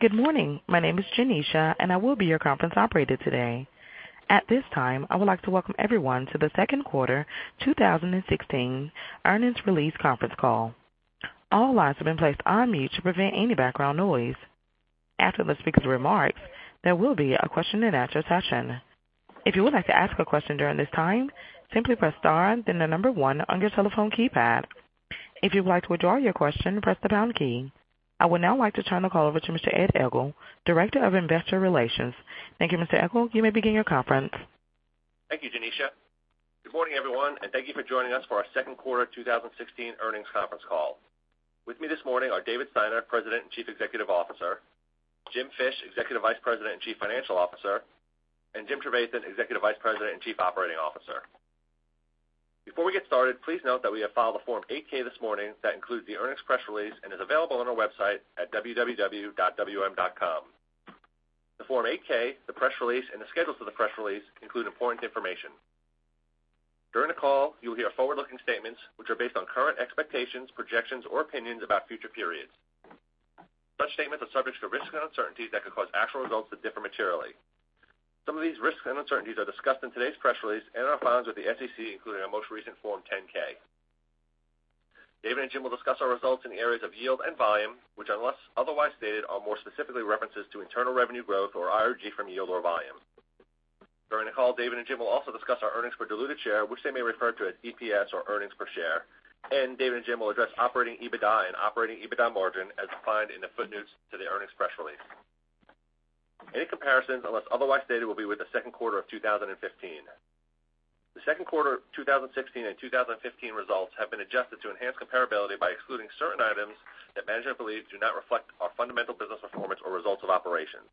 Good morning. My name is Janisha, and I will be your conference operator today. At this time, I would like to welcome everyone to the second quarter 2016 earnings release conference call. All lines have been placed on mute to prevent any background noise. After the speaker's remarks, there will be a question-and-answer session. If you would like to ask a question during this time, simply press star 1 on your telephone keypad. If you would like to withdraw your question, press the pound key. I would now like to turn the call over to Mr. Ed Egl, Director of Investor Relations. Thank you, Mr. Egl. You may begin your conference. Thank you, Janisha. Good morning, everyone, and thank you for joining us for our second quarter 2016 earnings conference call. With me this morning are David Steiner, President and Chief Executive Officer, Jim Fish, Executive Vice President and Chief Financial Officer, and Jim Trevathan, Executive Vice President and Chief Operating Officer. Before we get started, please note that we have filed a Form 8-K this morning that includes the earnings press release and is available on our website at www.wm.com. The Form 8-K, the press release, and the schedules for the press release include important information. During the call, you will hear forward-looking statements, which are based on current expectations, projections, or opinions about future periods. Such statements are subject to risks and uncertainties that could cause actual results to differ materially. Some of these risks and uncertainties are discussed in today's press release and are filed with the SEC, including our most recent Form 10-K. David and Jim will discuss our results in areas of yield and volume, which unless otherwise stated, are more specifically references to internal revenue growth or IRG from yield or volume. During the call, David and Jim will also discuss our earnings per diluted share, which they may refer to as EPS or earnings per share. David and Jim will address operating EBITDA and operating EBITDA margin as defined in the footnotes to the earnings press release. Any comparisons, unless otherwise stated, will be with the second quarter of 2015. The second quarter of 2016 and 2015 results have been adjusted to enhance comparability by excluding certain items that management believes do not reflect our fundamental business performance or results of operations.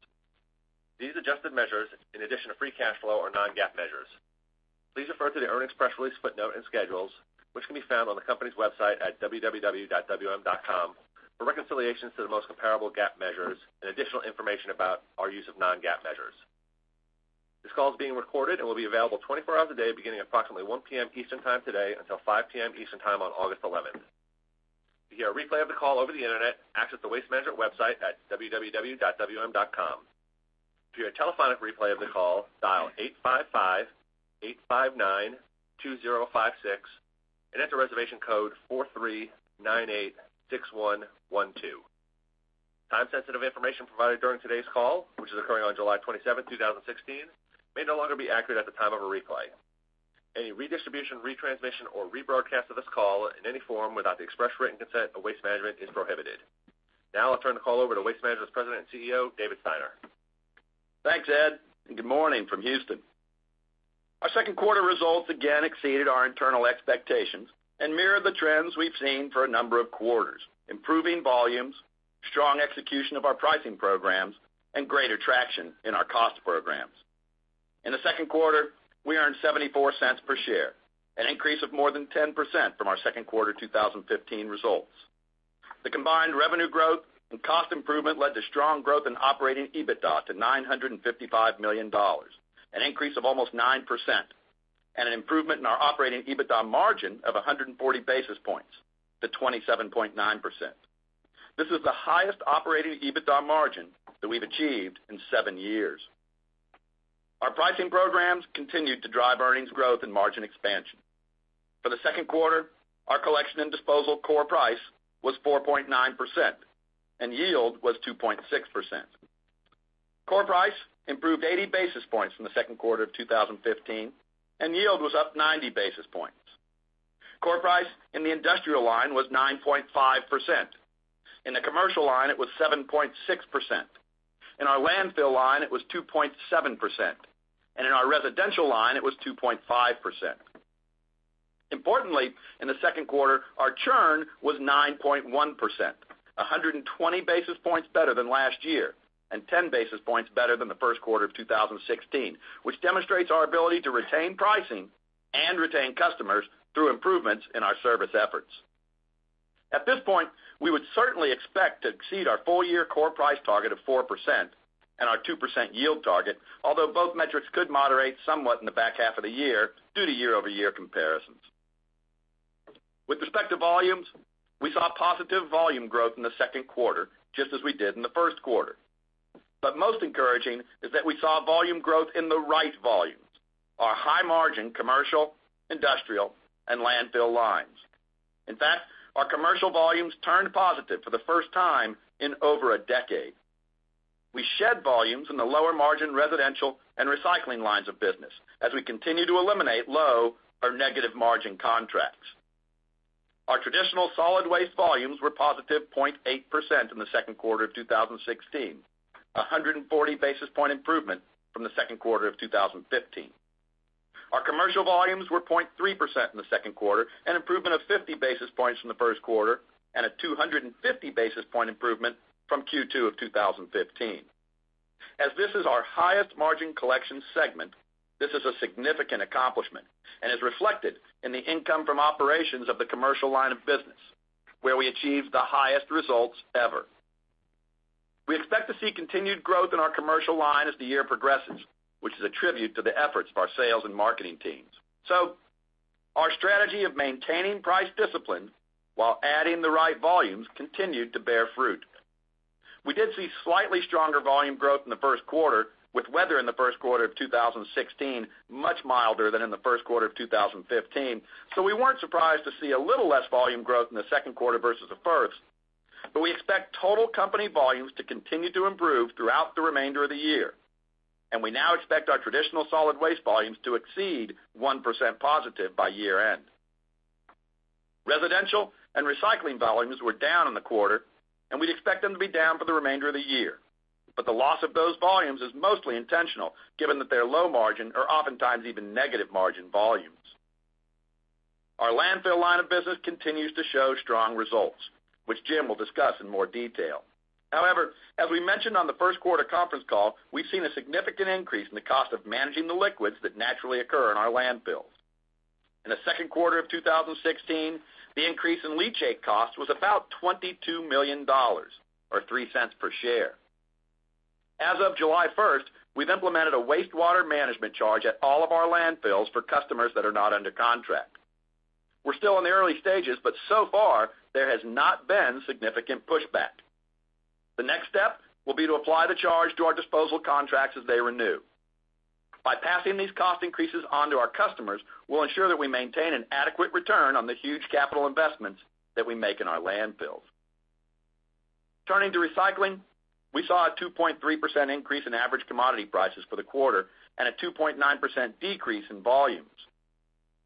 These adjusted measures, in addition to free cash flow, are non-GAAP measures. Please refer to the earnings press release footnote and schedules, which can be found on the company's website at www.wm.com for reconciliations to the most comparable GAAP measures and additional information about our use of non-GAAP measures. This call is being recorded and will be available 24 hours a day beginning at approximately 1:00 P.M. Eastern Time today until 5:00 P.M. Eastern Time on August 11th. To hear a replay of the call over the internet, access the Waste Management website at www.wm.com. To hear a telephonic replay of the call, dial 855-859-2056 and enter reservation code 43986112. Time-sensitive information provided during today's call, which is occurring on July 27th, 2016, may no longer be accurate at the time of a replay. Any redistribution, retransmission, or rebroadcast of this call in any form without the express written consent of Waste Management is prohibited. I'll turn the call over to Waste Management's President and CEO, David Steiner. Thanks, Ed. Good morning from Houston. Our second quarter results again exceeded our internal expectations and mirror the trends we've seen for a number of quarters: improving volumes, strong execution of our pricing programs, and greater traction in our cost programs. In the second quarter, we earned $0.74 per share, an increase of more than 10% from our second quarter 2015 results. The combined revenue growth and cost improvement led to strong growth in operating EBITDA to $955 million, an increase of almost 9% and an improvement in our operating EBITDA margin of 140 basis points to 27.9%. This is the highest operating EBITDA margin that we've achieved in seven years. Our pricing programs continued to drive earnings growth and margin expansion. For the second quarter, our collection and disposal core price was 4.9% and yield was 2.6%. Core price improved 80 basis points from the second quarter of 2015. Yield was up 90 basis points. Core price in the industrial line was 9.5%. In the commercial line, it was 7.6%. In our landfill line, it was 2.7%, and in our residential line, it was 2.5%. Importantly, in the second quarter, our churn was 9.1%, 120 basis points better than last year and 10 basis points better than the first quarter of 2016, which demonstrates our ability to retain pricing and retain customers through improvements in our service efforts. At this point, we would certainly expect to exceed our full-year core price target of 4% and our 2% yield target, although both metrics could moderate somewhat in the back half of the year due to year-over-year comparisons. With respect to volumes, we saw positive volume growth in the second quarter, just as we did in the first quarter. Most encouraging is that we saw volume growth in the right volumes, our high-margin commercial, industrial, and landfill lines. In fact, our commercial volumes turned positive for the first time in over a decade. We shed volumes in the lower-margin residential and recycling lines of business as we continue to eliminate low or negative margin contracts. Our traditional solid waste volumes were positive 0.8% in the second quarter of 2016, a 140-basis-point improvement from the second quarter of 2015. Our commercial volumes were 0.3% in the second quarter, an improvement of 50 basis points from the first quarter and a 250-basis-point improvement from Q2 of 2015. As this is our highest margin collection segment, this is a significant accomplishment and is reflected in the income from operations of the commercial line of business, where we achieved the highest results ever. Our strategy of maintaining price discipline while adding the right volumes continued to bear fruit. We did see slightly stronger volume growth in the first quarter, with weather in the first quarter of 2016 much milder than in the first quarter of 2015. We weren't surprised to see a little less volume growth in the second quarter versus the first, but we expect total company volumes to continue to improve throughout the remainder of the year, and we now expect our traditional solid waste volumes to exceed 1% positive by year-end. Residential and recycling volumes were down in the quarter, and we expect them to be down for the remainder of the year. The loss of those volumes is mostly intentional, given that they're low margin or oftentimes even negative margin volumes. Our landfill line of business continues to show strong results, which Jim will discuss in more detail. However, as we mentioned on the first quarter conference call, we've seen a significant increase in the cost of managing the liquids that naturally occur in our landfills. In the second quarter of 2016, the increase in leachate costs was about $22 million, or $0.03 per share. As of July 1st, we've implemented a wastewater management charge at all of our landfills for customers that are not under contract. We're still in the early stages, but so far, there has not been significant pushback. The next step will be to apply the charge to our disposal contracts as they renew. By passing these cost increases on to our customers, we'll ensure that we maintain an adequate return on the huge capital investments that we make in our landfills. Turning to recycling, we saw a 2.3% increase in average commodity prices for the quarter and a 2.9% decrease in volumes.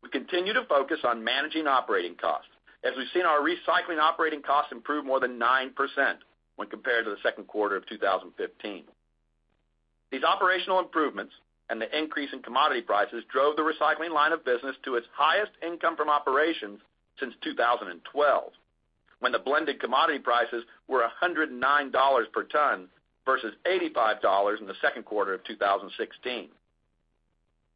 We continue to focus on managing operating costs, as we've seen our recycling operating costs improve more than 9% when compared to the second quarter of 2015. These operational improvements and the increase in commodity prices drove the recycling line of business to its highest income from operations since 2012, when the blended commodity prices were $109 per ton versus $85 in the second quarter of 2016.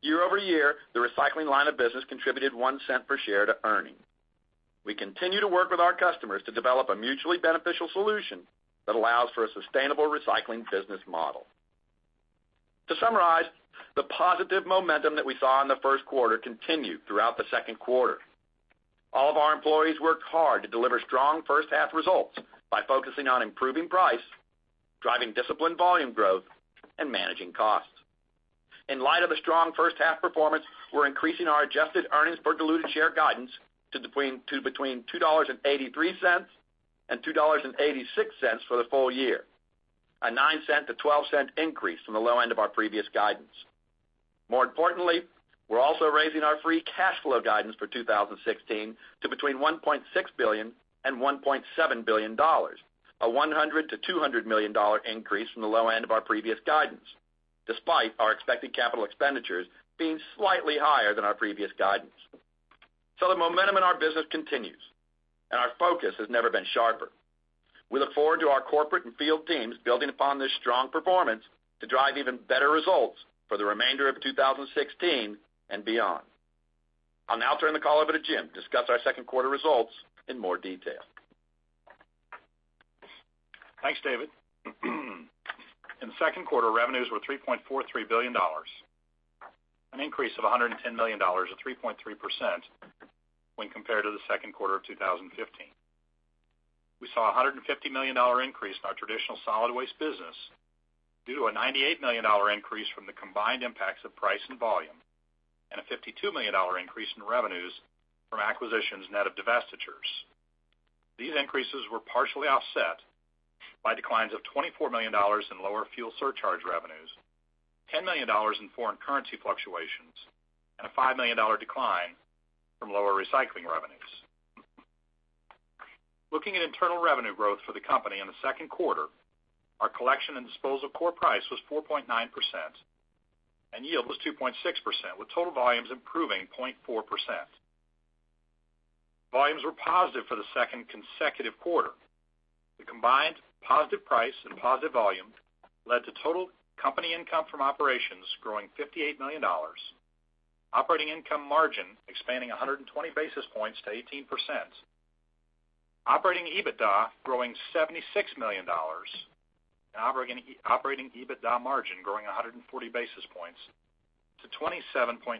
Year-over-year, the recycling line of business contributed $0.01 per share to earnings. We continue to work with our customers to develop a mutually beneficial solution that allows for a sustainable recycling business model. To summarize, the positive momentum that we saw in the first quarter continued throughout the second quarter. All of our employees worked hard to deliver strong first half results by focusing on improving price, driving disciplined volume growth, and managing costs. In light of a strong first half performance, we're increasing our adjusted earnings per diluted share guidance to between $2.83 and $2.86 for the full year, a $0.09 to $0.12 increase from the low end of our previous guidance. More importantly, we're also raising our free cash flow guidance for 2016 to between $1.6 billion and $1.7 billion, a $100 million to $200 million increase from the low end of our previous guidance, despite our expected capital expenditures being slightly higher than our previous guidance. The momentum in our business continues, and our focus has never been sharper. We look forward to our corporate and field teams building upon this strong performance to drive even better results for the remainder of 2016 and beyond. I'll now turn the call over to Jim to discuss our second quarter results in more detail. Thanks, David. In the second quarter, revenues were $3.43 billion, an increase of $110 million, or 3.3%, when compared to the second quarter of 2015. We saw a $150 million increase in our traditional solid waste business due to a $98 million increase from the combined impacts of price and volume and a $52 million increase in revenues from acquisitions net of divestitures. These increases were partially offset by declines of $24 million in lower fuel surcharge revenues, $10 million in foreign currency fluctuations, and a $5 million decline from lower recycling revenues. Looking at internal revenue growth for the company in the second quarter, our collection and disposal core price was 4.9% and yield was 2.6%, with total volumes improving 0.4%. Volumes were positive for the second consecutive quarter. The combined positive price and positive volume led to total company income from operations growing $58 million, operating income margin expanding 120 basis points to 18%, operating EBITDA growing $76 million, and operating EBITDA margin growing 140 basis points to 27.9%.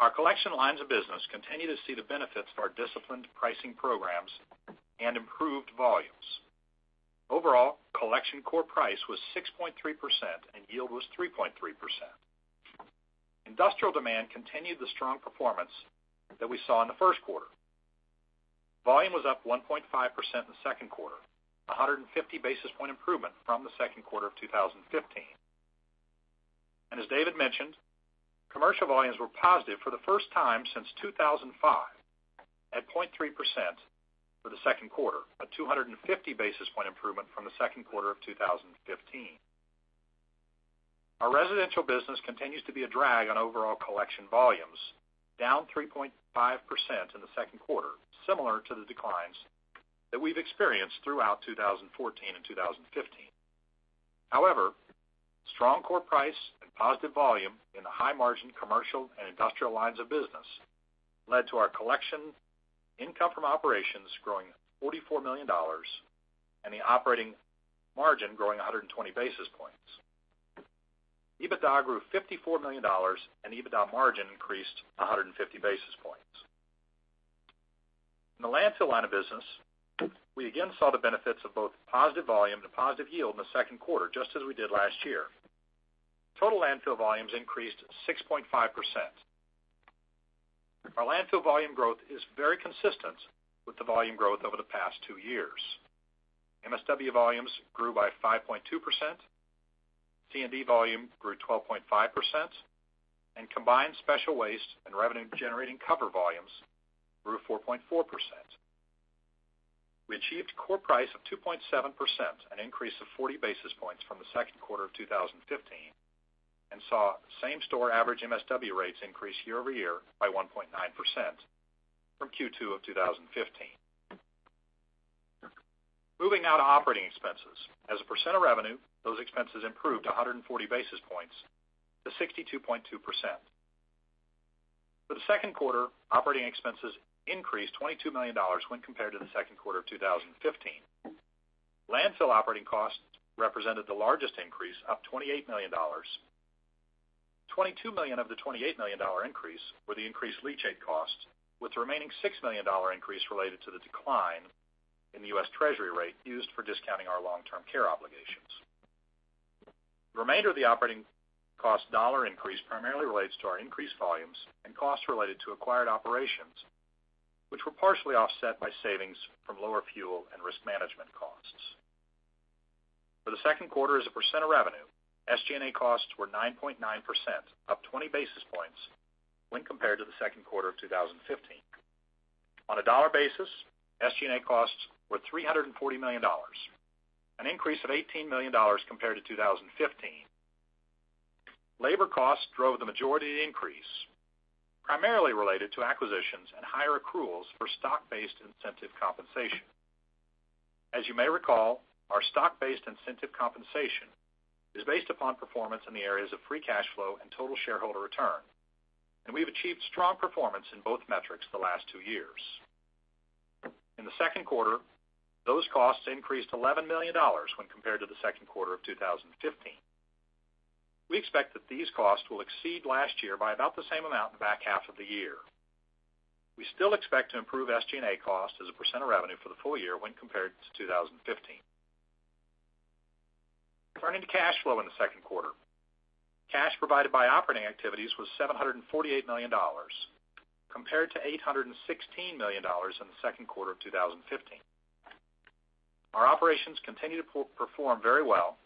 Our collection lines of business continue to see the benefits of our disciplined pricing programs and improved volumes. Overall, collection core price was 6.3% and yield was 3.3%. Industrial demand continued the strong performance that we saw in the first quarter. Volume was up 1.5% in the second quarter, a 150 basis point improvement from the second quarter of 2015. As David mentioned, commercial volumes were positive for the first time since 2005, at 0.3% for the second quarter, a 250 basis point improvement from the second quarter of 2015. Our residential business continues to be a drag on overall collection volumes, down 3.5% in the second quarter, similar to the declines that we've experienced throughout 2014 and 2015. Strong core price and positive volume in the high-margin commercial and industrial lines of business led to our collection income from operations growing $44 million and the operating margin growing 120 basis points. EBITDA grew $54 million, and EBITDA margin increased 150 basis points. In the landfill line of business, we again saw the benefits of both positive volume and positive yield in the second quarter, just as we did last year. Total landfill volumes increased 6.5%. Our landfill volume growth is very consistent with the volume growth over the past two years. MSW volumes grew by 5.2%, C&D volume grew 12.5%, and combined special waste and revenue-generating cover volumes grew 4.4%. We achieved core price of 2.7%, an increase of 40 basis points from the second quarter of 2015, and saw same-store average MSW rates increase year-over-year by 1.9% from Q2 of 2015. Moving now to operating expenses. As a percent of revenue, those expenses improved 140 basis points to 62.2%. For the second quarter, operating expenses increased $22 million when compared to the second quarter of 2015. Landfill operating costs represented the largest increase, up $28 million. $22 million of the $28 million increase were the increased leachate costs, with the remaining $6 million increase related to the decline in the U.S. Treasury rate used for discounting our long-term care obligations. The remainder of the operating cost dollar increase primarily relates to our increased volumes and costs related to acquired operations, which were partially offset by savings from lower fuel and risk management costs. For the second quarter as a percent of revenue, SG&A costs were 9.9%, up 20 basis points when compared to the second quarter of 2015. On a dollar basis, SG&A costs were $340 million, an increase of $18 million compared to 2015. Labor costs drove the majority of the increase, primarily related to acquisitions and higher accruals for stock-based incentive compensation. As you may recall, our stock-based incentive compensation is based upon performance in the areas of free cash flow and total shareholder return, and we've achieved strong performance in both metrics the last two years. In the second quarter, those costs increased $11 million when compared to the second quarter of 2015. We expect that these costs will exceed last year by about the same amount in the back half of the year. We still expect to improve SG&A cost as a percent of revenue for the full year when compared to 2015. Turning to cash flow in the second quarter. Cash provided by operating activities was $748 million, compared to $816 million in the second quarter of 2015. Our operations continue to perform very well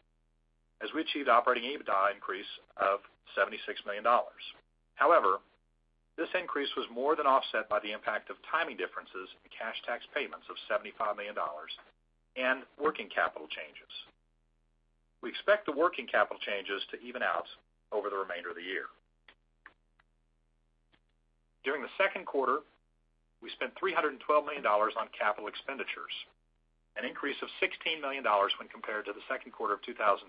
as we achieved operating EBITDA increase of $76 million. However, this increase was more than offset by the impact of timing differences in cash tax payments of $75 million and working capital changes. We expect the working capital changes to even out over the remainder of the year. During the second quarter, we spent $312 million on capital expenditures, an increase of $16 million when compared to the second quarter of 2015.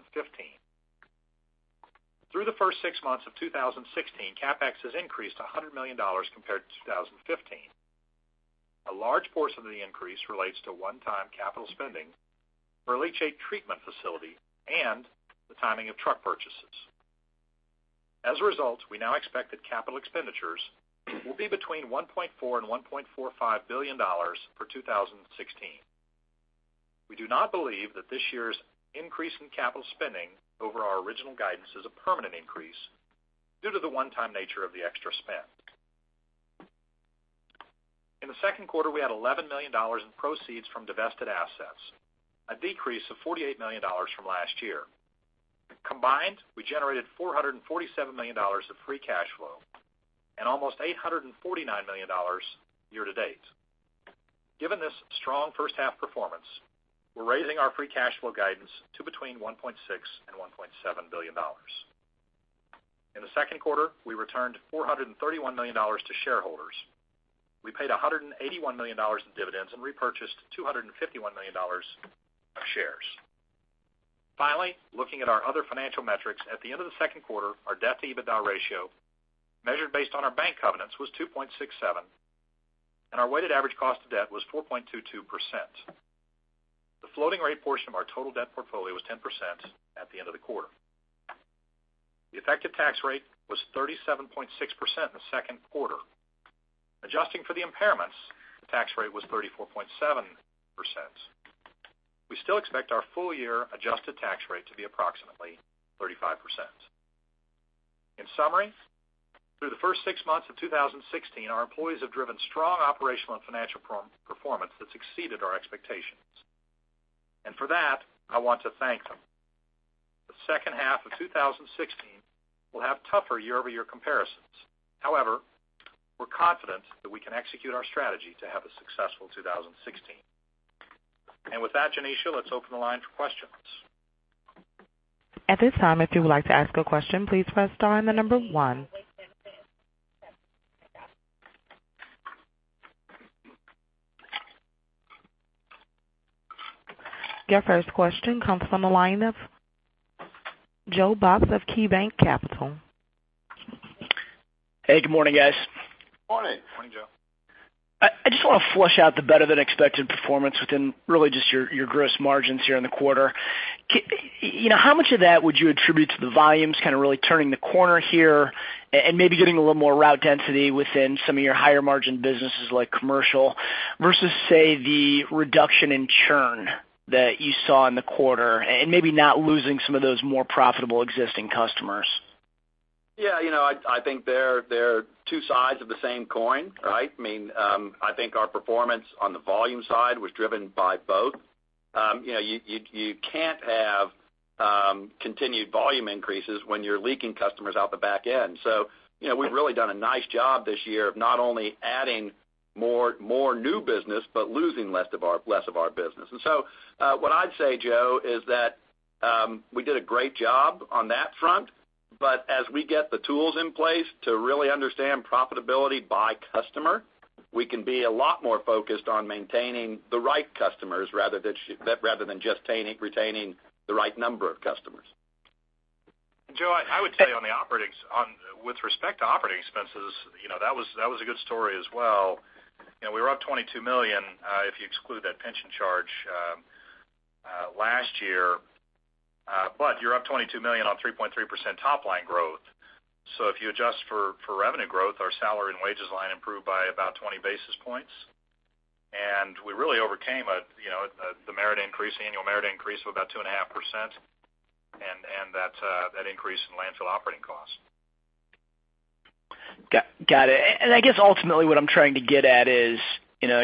Through the first six months of 2016, CapEx has increased to $100 million compared to 2015. A large portion of the increase relates to one-time capital spending for a leachate treatment facility and the timing of truck purchases. As a result, we now expect that capital expenditures will be between $1.4 billion and $1.45 billion for 2016. We do not believe that this year's increase in capital spending over our original guidance is a permanent increase due to the one-time nature of the extra spend. In the second quarter, we had $11 million in proceeds from divested assets, a decrease of $48 million from last year. Combined, we generated $447 million of free cash flow and almost $849 million year-to-date. Given this strong first half performance, we're raising our free cash flow guidance to between $1.6 billion and $1.7 billion. In the second quarter, we returned $431 million to shareholders. We paid $181 million in dividends and repurchased $251 million of shares. Finally, looking at our other financial metrics. At the end of the second quarter, our debt-to-EBITDA ratio, measured based on our bank covenants, was 2.67, and our weighted average cost of debt was 4.22%. The floating rate portion of our total debt portfolio was 10% at the end of the quarter. The effective tax rate was 37.6% in the second quarter. Adjusting for the impairments, the tax rate was 34.7%. We still expect our full year adjusted tax rate to be approximately 35%. In summary, through the first six months of 2016, our employees have driven strong operational and financial performance that's exceeded our expectations. For that, I want to thank them. The second half of 2016 will have tougher year-over-year comparisons. However, we're confident that we can execute our strategy to have a successful 2016. With that, Janishia, let's open the line for questions. At this time, if you would like to ask a question, please press star and the number one. Your first question comes from the line of Joe Box of KeyBanc Capital. Hey, good morning, guys. Morning. Morning, Joe. I just want to flush out the better-than-expected performance within really just your gross margins here in the quarter. How much of that would you attribute to the volumes kind of really turning the corner here and maybe getting a little more route density within some of your higher margin businesses like commercial, versus say, the reduction in churn that you saw in the quarter, and maybe not losing some of those more profitable existing customers? Yeah. I think they're two sides of the same coin, right? I think our performance on the volume side was driven by both. You can't have continued volume increases when you're leaking customers out the back end. We've really done a nice job this year of not only adding more new business, but losing less of our business. What I'd say, Joe, is that we did a great job on that front, but as we get the tools in place to really understand profitability by customer, we can be a lot more focused on maintaining the right customers rather than just retaining the right number of customers. Joe, I would say with respect to operating expenses, that was a good story as well. We were up $22 million, if you exclude that pension charge last year. You're up $22 million on 3.3% top-line growth. If you adjust for revenue growth, our salary and wages line improved by about 20 basis points. We really overcame the annual merit increase of about 2.5% and that increase in landfill operating costs. Got it. I guess ultimately what I'm trying to get at is,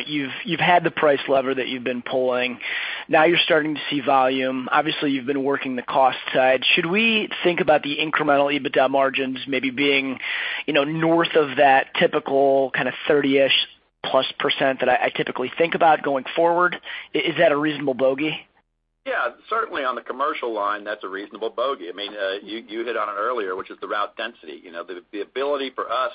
you've had the price lever that you've been pulling. Now you're starting to see volume. Obviously, you've been working the cost side. Should we think about the incremental EBITDA margins maybe being north of that typical kind of 30-ish plus % that I typically think about going forward? Is that a reasonable bogey? Yeah. Certainly on the commercial line, that's a reasonable bogey. You hit on it earlier, which is the route density. The ability for us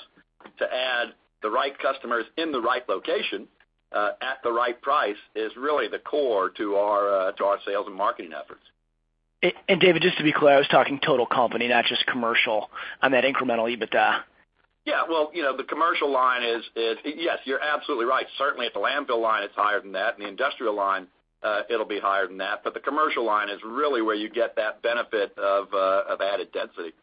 to add the right customers in the right location, at the right price is really the core to our sales and marketing efforts. David, just to be clear, I was talking total company, not just commercial on that incremental EBITDA. Yeah. Well, the commercial line is Yes, you're absolutely right. Certainly at the landfill line, it's higher than that. In the industrial line, it'll be higher than that. The commercial line is really where you get that benefit of added density.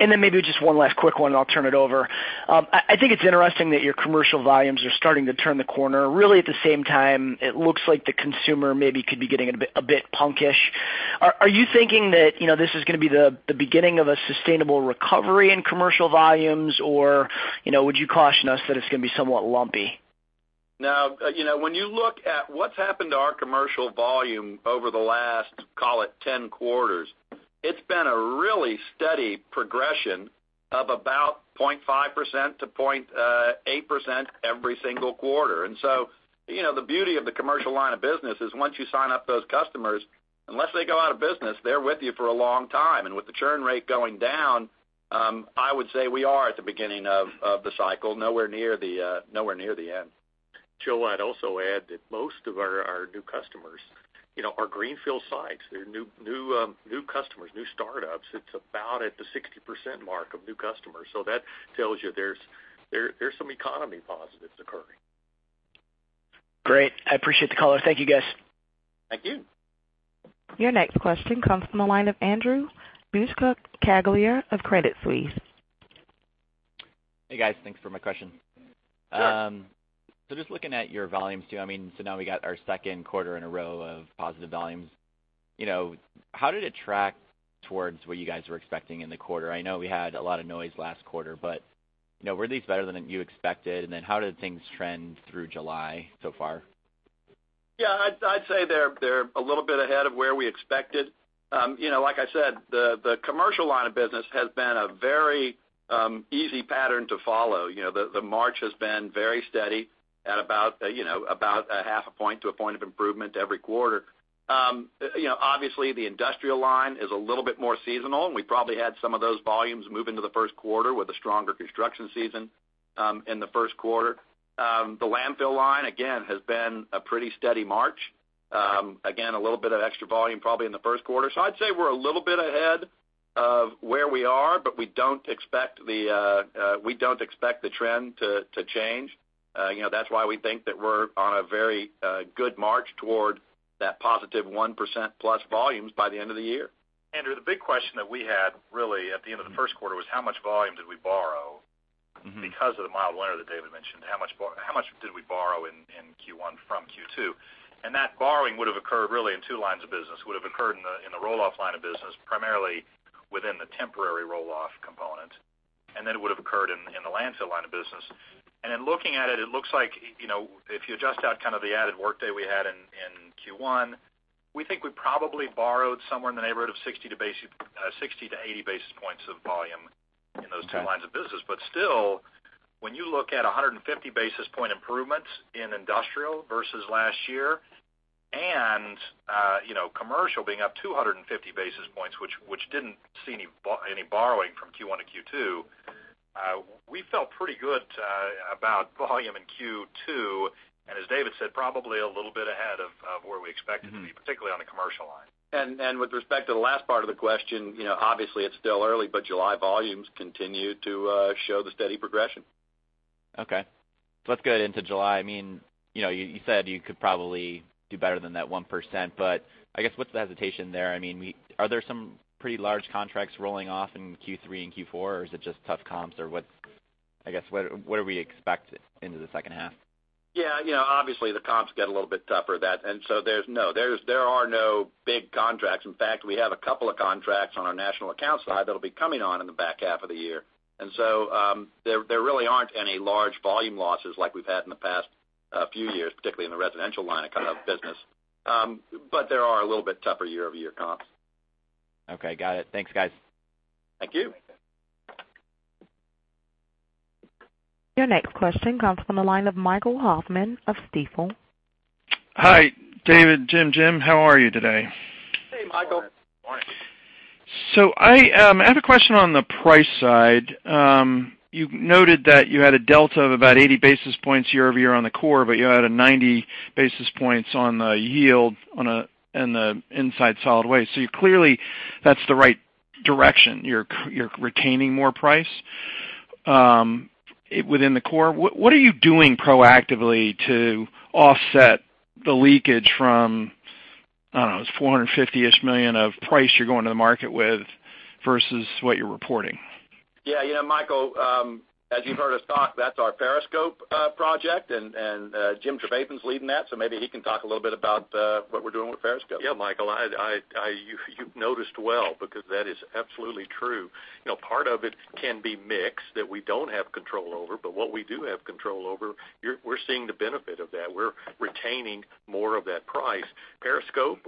Maybe just one last quick one, I'll turn it over. I think it's interesting that your commercial volumes are starting to turn the corner. Really at the same time, it looks like the consumer maybe could be getting a bit punkish. Are you thinking that this is going to be the beginning of a sustainable recovery in commercial volumes, or would you caution us that it's going to be somewhat lumpy? No. When you look at what's happened to our commercial volume over the last, call it 10 quarters, it's been a really steady progression of about 0.5% to 0.8% every single quarter. The beauty of the commercial line of business is once you sign up those customers, unless they go out of business, they're with you for a long time. With the churn rate going down, I would say we are at the beginning of the cycle, nowhere near the end. Joe, I'd also add that most of our new customers are greenfield sites. They're new customers, new startups. It's about at the 60% mark of new customers. That tells you there's some economy positives occurring. Great. I appreciate the call. Thank you, guys. Thank you. Your next question comes from the line of Andrew Muscaglier of Credit Suisse. Hey, guys, thanks for my question. Sure. Just looking at your volumes too, so now we got our second quarter in a row of positive volumes. How did it track towards what you guys were expecting in the quarter? I know we had a lot of noise last quarter, but were these better than you expected, and then how did things trend through July so far? Yeah, I'd say they're a little bit ahead of where we expected. Like I said, the commercial line of business has been a very easy pattern to follow. The march has been very steady at about a half a point to a point of improvement every quarter. Obviously, the industrial line is a little bit more seasonal, and we probably had some of those volumes move into the first quarter with a stronger construction season in the first quarter. The landfill line, again, has been a pretty steady march. Again, a little bit of extra volume probably in the first quarter. I'd say we're a little bit ahead of where we are, but we don't expect the trend to change. That's why we think that we're on a very good march toward that positive 1% plus volumes by the end of the year. Andrew, the big question that we had really at the end of the first quarter was how much volume did we borrow because of the mild winter that David mentioned. How much did we borrow in Q1 from Q2? That borrowing would have occurred really in two lines of business, in the roll-off line of business, primarily within the temporary roll-off component, and then it would have occurred in the landfill line of business. In looking at it looks like if you adjust out kind of the added workday we had in Q1, we think we probably borrowed somewhere in the neighborhood of 60-80 basis points of volume in those two lines of business. Still, when you look at 150 basis points improvements in industrial versus last year and commercial being up 250 basis points, which didn't see any borrowing from Q1 to Q2. We felt pretty good about volume in Q2, and as David said, probably a little bit ahead of where we expected to be, particularly on the commercial line. With respect to the last part of the question, obviously it's still early, but July volumes continue to show the steady progression. Okay. Let's get into July. You said you could probably do better than that 1%, I guess what's the hesitation there? Are there some pretty large contracts rolling off in Q3 and Q4, is it just tough comps, what do we expect into the second half? Yeah. Obviously, the comps get a little bit tougher. No, there are no big contracts. In fact, we have a couple of contracts on our national account side that'll be coming on in the back half of the year. There really aren't any large volume losses like we've had in the past few years, particularly in the residential line of business. There are a little bit tougher year-over-year comps. Okay, got it. Thanks, guys. Thank you. Your next question comes from the line of Michael Hoffman of Stifel. Hi, David, Jim, how are you today? Hey, Michael. Good morning. I have a question on the price side. You noted that you had a delta of about 80 basis points year-over-year on the core, but you had a 90 basis points on the yield in the inside solid waste. Clearly, that's the right direction. You're retaining more price within the core. What are you doing proactively to offset the leakage from, I don't know, it's $450-ish million of price you're going to the market with versus what you're reporting? Yeah, Michael, as you've heard us talk, that's our Periscope project, and Jim Trevathan's leading that, so maybe he can talk a little bit about what we're doing with Periscope. Yeah, Michael, you've noticed well, because that is absolutely true. Part of it can be mix that we don't have control over, but what we do have control over, we're seeing the benefit of that. We're retaining more of that price. Periscope,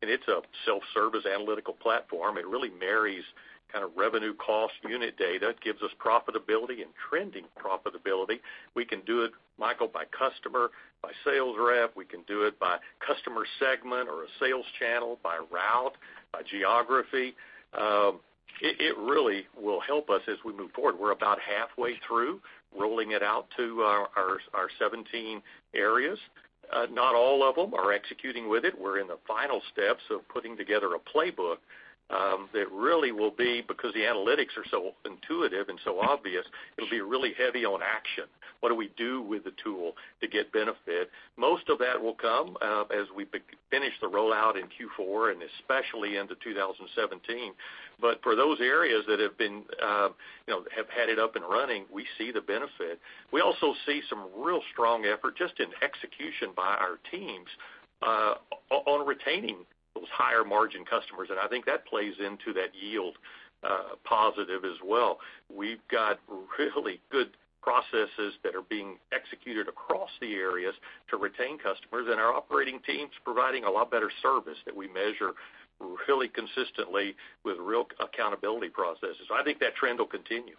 and it's a self-service analytical platform. It really marries kind of revenue cost unit data. It gives us profitability and trending profitability. We can do it, Michael, by customer, by sales rep. We can do it by customer segment or a sales channel, by route, by geography. It really will help us as we move forward. We're about halfway through rolling it out to our 17 areas. Not all of them are executing with it. We're in the final steps of putting together a playbook that really will be, because the analytics are so intuitive and so obvious, it'll be really heavy on action. What do we do with the tool to get benefit? Most of that will come as we finish the rollout in Q4, and especially into 2017. For those areas that have had it up and running, we see the benefit. We also see some real strong effort just in execution by our teams on retaining those higher margin customers, and I think that plays into that yield positive as well. We've got really good processes that are being executed across the areas to retain customers and our operating teams providing a lot better service that we measure really consistently with real accountability processes. I think that trend will continue.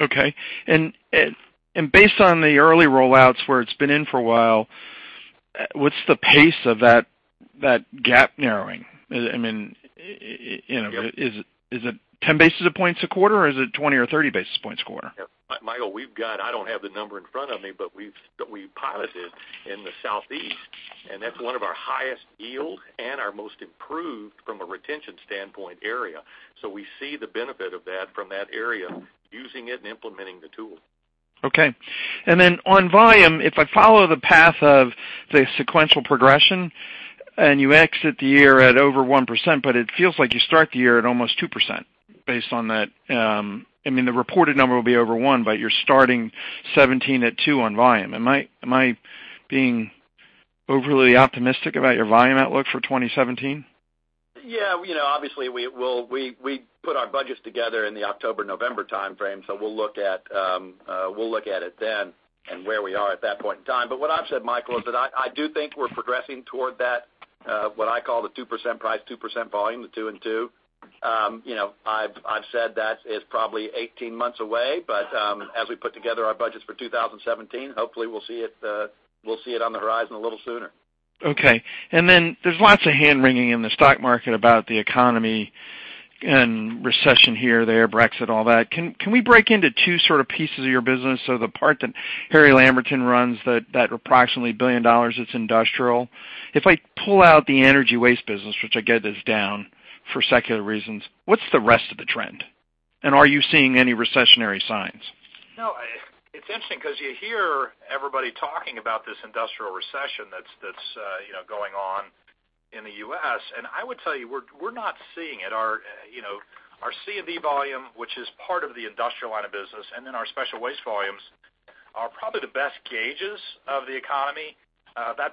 Okay. Based on the early rollouts where it's been in for a while, what's the pace of that gap narrowing? Is it 10 basis points a quarter, or is it 20 or 30 basis points a quarter? Michael, I don't have the number in front of me, we've piloted in the Southeast, and that's one of our highest yield and our most improved from a retention standpoint area. We see the benefit of that from that area, using it and implementing the tool. Okay. Then on volume, if I follow the path of the sequential progression and you exit the year at over 1%, but it feels like you start the year at almost 2% based on that. The reported number will be over 1, but you're starting 2017 at 2 on volume. Am I being overly optimistic about your volume outlook for 2017? Yeah. Obviously, we put our budgets together in the October-November timeframe, we'll look at it then and where we are at that point in time. What I've said, Michael, is that I do think we're progressing toward that what I call the 2% price, 2% volume, the 2 and 2. I've said that is probably 18 months away, but as we put together our budgets for 2017, hopefully we'll see it on the horizon a little sooner. Okay. There's lots of hand-wringing in the stock market about the economy and recession here, there, Brexit, all that. Can we break into two sort of pieces of your business? The part that Harry Lamberton runs, that approximately $1 billion, it's industrial. If I pull out the energy waste business, which I get is down for secular reasons, what's the rest of the trend? Are you seeing any recessionary signs? No, it's interesting because you hear everybody talking about this industrial recession that's going on in the U.S., I would tell you, we're not seeing it. Our C&D volume, which is part of the industrial line of business, our special waste volumes are probably the best gauges of that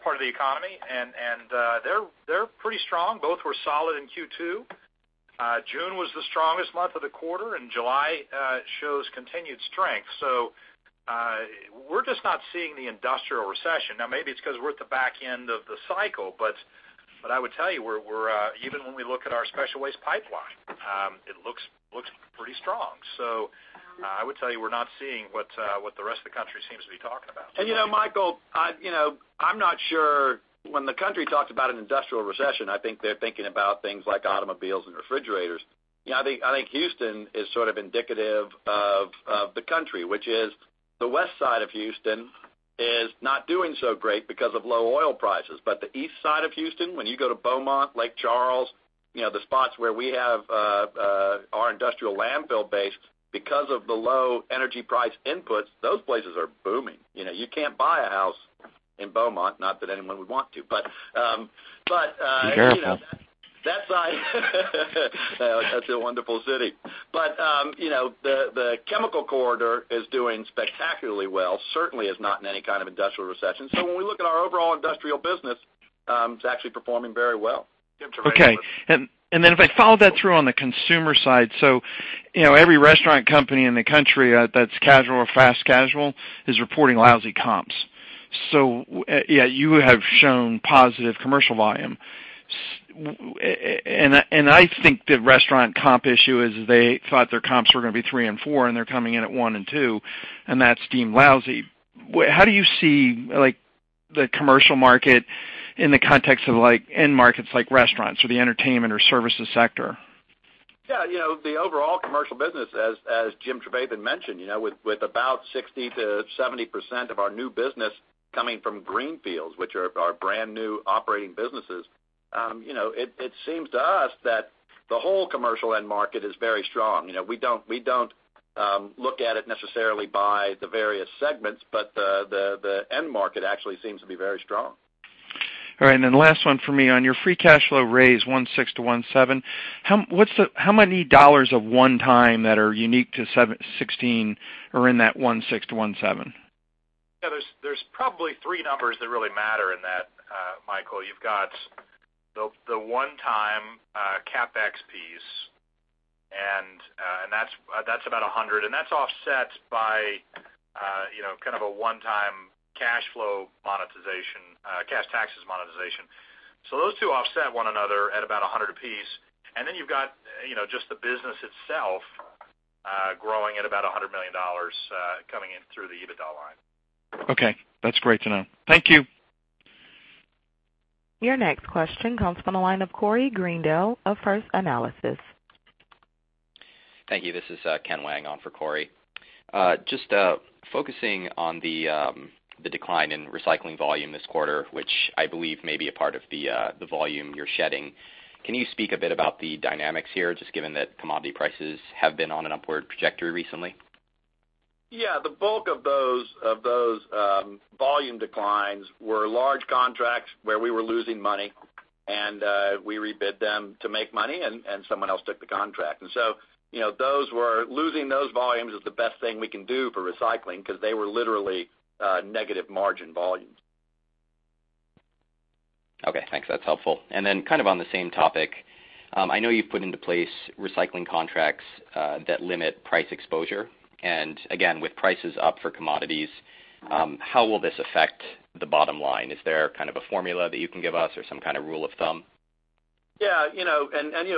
part of the economy, they're pretty strong. Both were solid in Q2. June was the strongest month of the quarter, July shows continued strength. We're just not seeing the industrial recession. Now, maybe it's because we're at the back end of the cycle, I would tell you, even when we look at our special waste pipeline, it looks pretty strong. I would tell you, we're not seeing what the rest of the country seems to be talking about. Michael, I'm not sure when the country talks about an industrial recession, I think they're thinking about things like automobiles and refrigerators. I think Houston is sort of indicative of the country, which is the west side of Houston is not doing so great because of low oil prices. The east side of Houston, when you go to Beaumont, Lake Charles, the spots where we have our industrial landfill base, because of the low energy price inputs, those places are booming. You can't buy a house in Beaumont, not that anyone would want to. Be careful The chemical corridor is doing spectacularly well, certainly is not in any kind of industrial recession. When we look at our overall industrial business, it's actually performing very well. Okay. Then if I follow that through on the consumer side, every restaurant company in the country that's casual or fast casual is reporting lousy comps. Yet you have shown positive commercial volume. I think the restaurant comp issue is they thought their comps were going to be three and four, and they're coming in at one and two, and that's deemed lousy. How do you see the commercial market in the context of end markets like restaurants or the entertainment or services sector? Yeah, the overall commercial business as Jim Trevathan mentioned, with about 60%-70% of our new business coming from greenfields, which are our brand new operating businesses. It seems to us that the whole commercial end market is very strong. We don't look at it necessarily by the various segments, the end market actually seems to be very strong. All right, then last one for me. On your free cash flow raise of $1.6-$1.7, how many dollars of one time that are unique to 2016 are in that $1.6-$1.7? Yeah, there's probably three numbers that really matter in that, Michael. You've got the one time CapEx piece, that's about $100 million, that's offset by kind of a one time cash taxes monetization. Those two offset one another at about $100 million a piece. Then you've got just the business itself growing at about $100 million coming in through the EBITDA line. Okay, that's great to know. Thank you. Your next question comes from the line of Corey Greendale of First Analysis. Thank you. This is Ken Wang on for Corey. Just focusing on the decline in recycling volume this quarter, which I believe may be a part of the volume you're shedding. Can you speak a bit about the dynamics here, just given that commodity prices have been on an upward trajectory recently? Yeah, the bulk of those volume declines were large contracts where we were losing money and we rebid them to make money, and someone else took the contract. Losing those volumes is the best thing we can do for recycling because they were literally negative margin volumes. Okay, thanks. That's helpful. Kind of on the same topic, I know you've put into place recycling contracts that limit price exposure. Again, with prices up for commodities, how will this affect the bottom line? Is there kind of a formula that you can give us or some kind of rule of thumb? Yeah.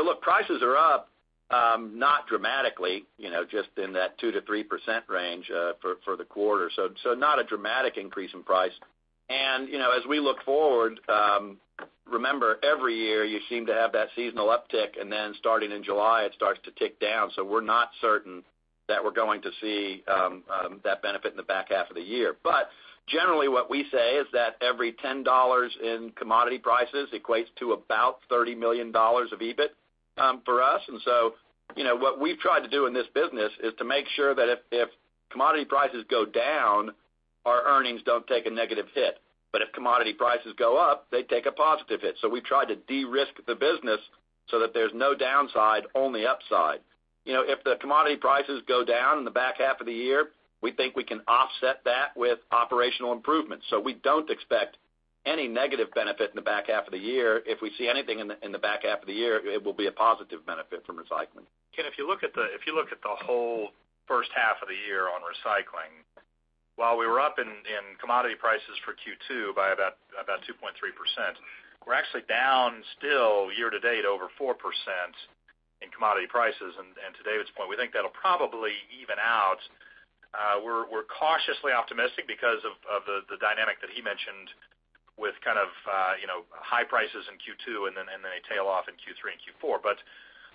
Look, prices are up, not dramatically, just in that 2%-3% range for the quarter. Not a dramatic increase in price. As we look forward, remember every year you seem to have that seasonal uptick, then starting in July it starts to tick down. We're not certain that we're going to see that benefit in the back half of the year. Generally what we say is that every $10 in commodity prices equates to about $30 million of EBIT for us. What we've tried to do in this business is to make sure that if commodity prices go down, our earnings don't take a negative hit. If commodity prices go up, they take a positive hit. We've tried to de-risk the business so that there's no downside, only upside. If the commodity prices go down in the back half of the year, we think we can offset that with operational improvements. We don't expect any negative benefit in the back half of the year. If we see anything in the back half of the year, it will be a positive benefit from recycling. Ken, if you look at the whole first half of the year on recycling, while we were up in commodity prices for Q2 by about 2.3%, we're actually down still year-to-date over 4% in commodity prices. To David's point, we think that'll probably even out. We're cautiously optimistic because of the dynamic that he mentioned with kind of high prices in Q2 and then a tail off in Q3 and Q4.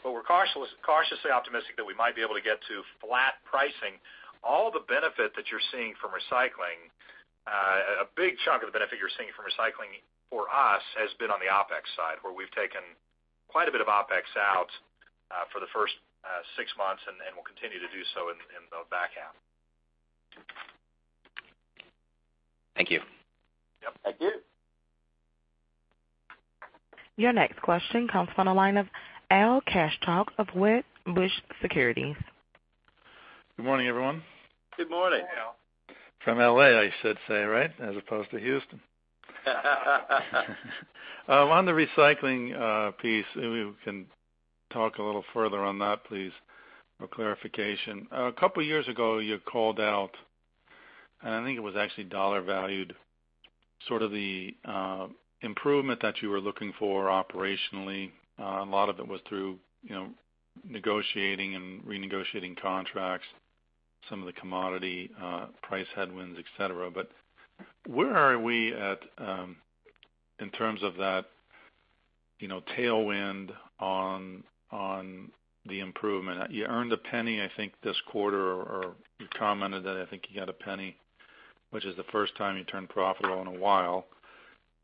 We're cautiously optimistic that we might be able to get to flat pricing. All the benefit that you're seeing from recycling, a big chunk of the benefit you're seeing from recycling for us has been on the OpEx side, where we've taken quite a bit of OpEx out for the first six months and will continue to do so in the back half. Thank you. Yep. Thank you. Your next question comes from the line of Al Kaschock of Wedbush Securities. Good morning, everyone. Good morning. Good morning, Al. From L.A., I should say, right? As opposed to Houston. On the recycling piece, if you can talk a little further on that, please, for clarification. A couple of years ago, you called out, and I think it was actually dollar valued, sort of the improvement that you were looking for operationally. A lot of it was through negotiating and renegotiating contracts, some of the commodity price headwinds, et cetera. Where are we at in terms of that tailwind on the improvement. You earned $0.01, I think this quarter, or you commented that I think you got $0.01, which is the first time you turned profitable in a while.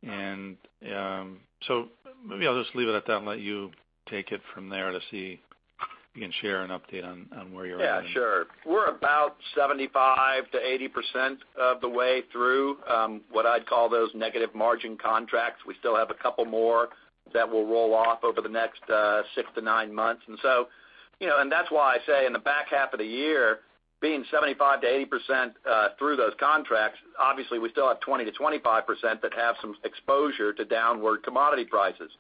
Maybe I'll just leave it at that and let you take it from there to see if you can share an update on where you're at. Yeah, sure. We're about 75%-80% of the way through, what I'd call those negative margin contracts. We still have a couple more that will roll off over the next six to nine months. That's why I say in the back half of the year, being 75%-80% through those contracts, obviously we still have 20%-25% that have some exposure to downward commodity prices.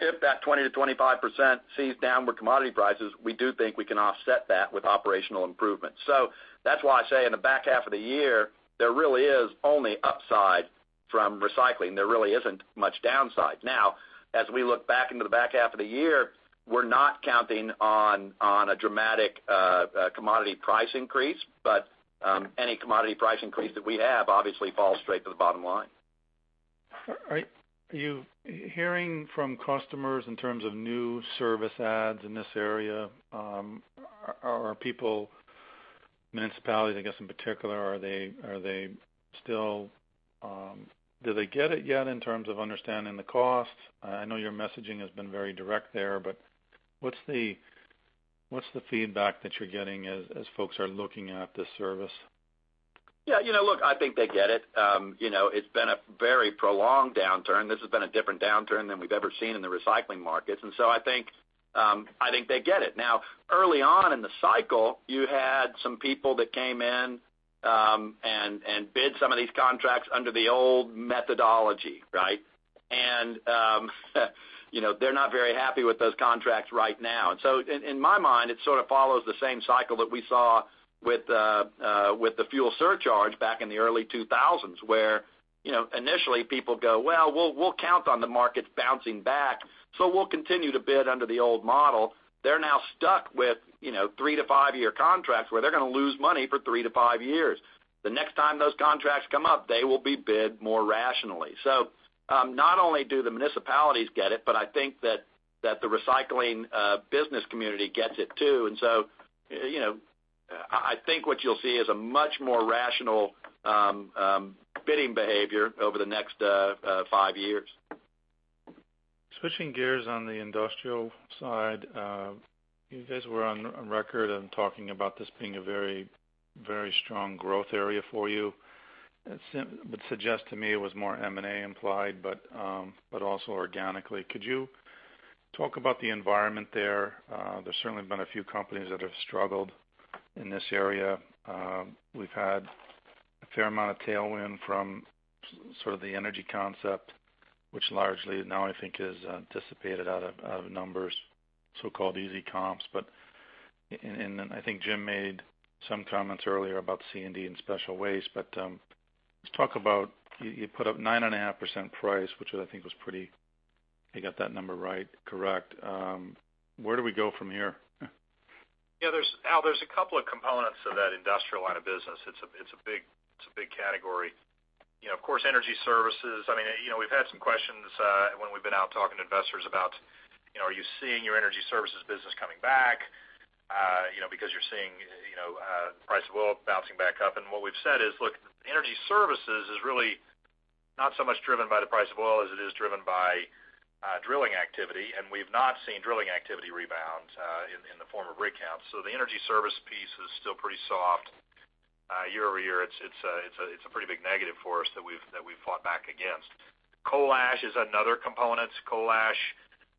If that 20%-25% sees downward commodity prices, we do think we can offset that with operational improvements. That's why I say in the back half of the year, there really is only upside from recycling. There really isn't much downside. As we look back into the back half of the year, we're not counting on a dramatic commodity price increase, but any commodity price increase that we have obviously falls straight to the bottom line. Are you hearing from customers in terms of new service adds in this area? Are people, municipalities, I guess, in particular, do they get it yet in terms of understanding the costs? I know your messaging has been very direct there, what's the feedback that you're getting as folks are looking at this service? Yeah, look, I think they get it. It's been a very prolonged downturn. This has been a different downturn than we've ever seen in the recycling markets, I think they get it. Early on in the cycle, you had some people that came in, and bid some of these contracts under the old methodology, right? They're not very happy with those contracts right now. In my mind, it sort of follows the same cycle that we saw with the fuel surcharge back in the early 2000s, where initially people go, "Well, we'll count on the markets bouncing back, so we'll continue to bid under the old model." They're now stuck with three- to five-year contracts where they're going to lose money for three to five years. The next time those contracts come up, they will be bid more rationally. Not only do the municipalities get it, but I think that the recycling business community gets it too. I think what you'll see is a much more rational bidding behavior over the next five years. Switching gears on the industrial side, you guys were on record and talking about this being a very strong growth area for you. It would suggest to me it was more M&A implied, but also organically. Could you talk about the environment there? There's certainly been a few companies that have struggled in this area. We've had a fair amount of tailwind from sort of the energy concept, which largely now I think is dissipated out of numbers, so-called easy comps. I think Jim made some comments earlier about C&D and special waste, but, let's talk about, you put up 9.5% price, which I think was pretty, I got that number right, correct. Where do we go from here? Yeah, Al, there's a couple of components of that industrial line of business. It's a big category. Of course, energy services, we've had some questions, when we've been out talking to investors about, are you seeing your energy services business coming back? Because you're seeing the price of oil bouncing back up. What we've said is, look, energy services is really not so much driven by the price of oil as it is driven by drilling activity, and we've not seen drilling activity rebound, in the form of rig counts. The energy service piece is still pretty soft. Year-over-year, it's a pretty big negative for us that we've fought back against. Coal ash is another component. Coal ash,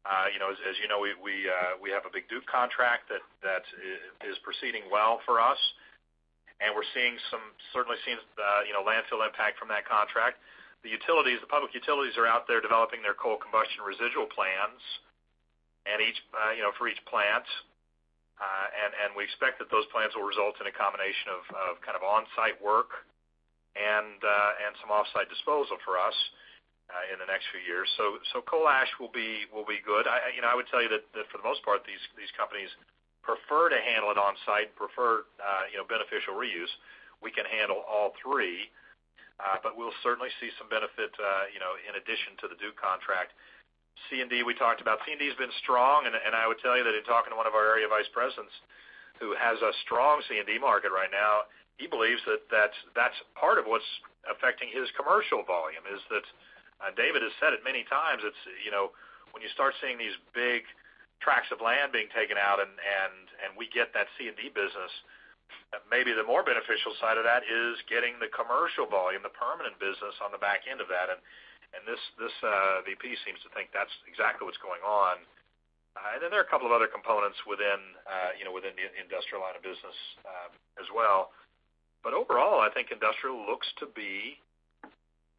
as you know, we have a big Duke contract that is proceeding well for us, and we're certainly seeing some landfill impact from that contract. The public utilities are out there developing their coal combustion residual plans for each plant. We expect that those plans will result in a combination of kind of on-site work and some off-site disposal for us, in the next few years. Coal ash will be good. I would tell you that for the most part, these companies prefer to handle it on-site and prefer beneficial reuse. We can handle all three. We'll certainly see some benefit in addition to the Duke contract. C&D, we talked about. C&D's been strong, and I would tell you that in talking to one of our area vice presidents who has a strong C&D market right now, he believes that that's part of what's affecting his commercial volume. David has said it many times, when you start seeing these big tracts of land being taken out and we get that C&D business, maybe the more beneficial side of that is getting the commercial volume, the permanent business on the back end of that. This VP seems to think that's exactly what's going on. There are a couple of other components within the industrial line of business as well. Overall, I think industrial looks to be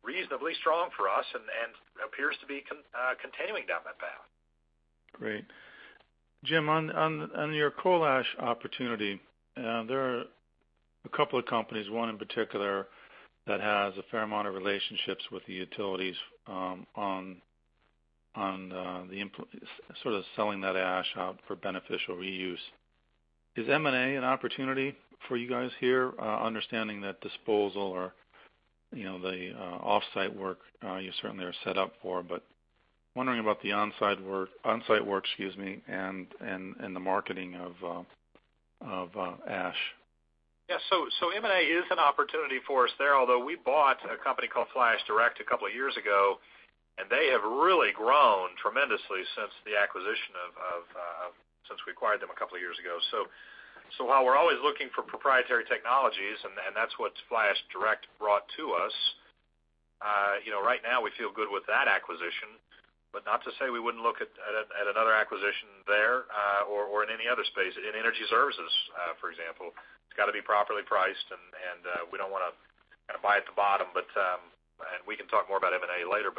reasonably strong for us and appears to be continuing down that path. Great. Jim, on your coal ash opportunity, there are a couple of companies, one in particular that has a fair amount of relationships with the utilities on the sort of selling that ash out for beneficial reuse. Is M&A an opportunity for you guys here? Understanding that disposal or the offsite work you certainly are set up for, but wondering about the on-site work and the marketing of ash. M&A is an opportunity for us there, although we bought a company called FlyAshDirect a couple of years ago, and they have really grown tremendously since we acquired them a couple of years ago. While we're always looking for proprietary technologies, and that's what FlyAshDirect brought to us. Right now, we feel good with that acquisition, but not to say we wouldn't look at another acquisition there, or in any other space. In energy services, for example. It's got to be properly priced, and we don't want to buy at the bottom. We can talk more about M&A later,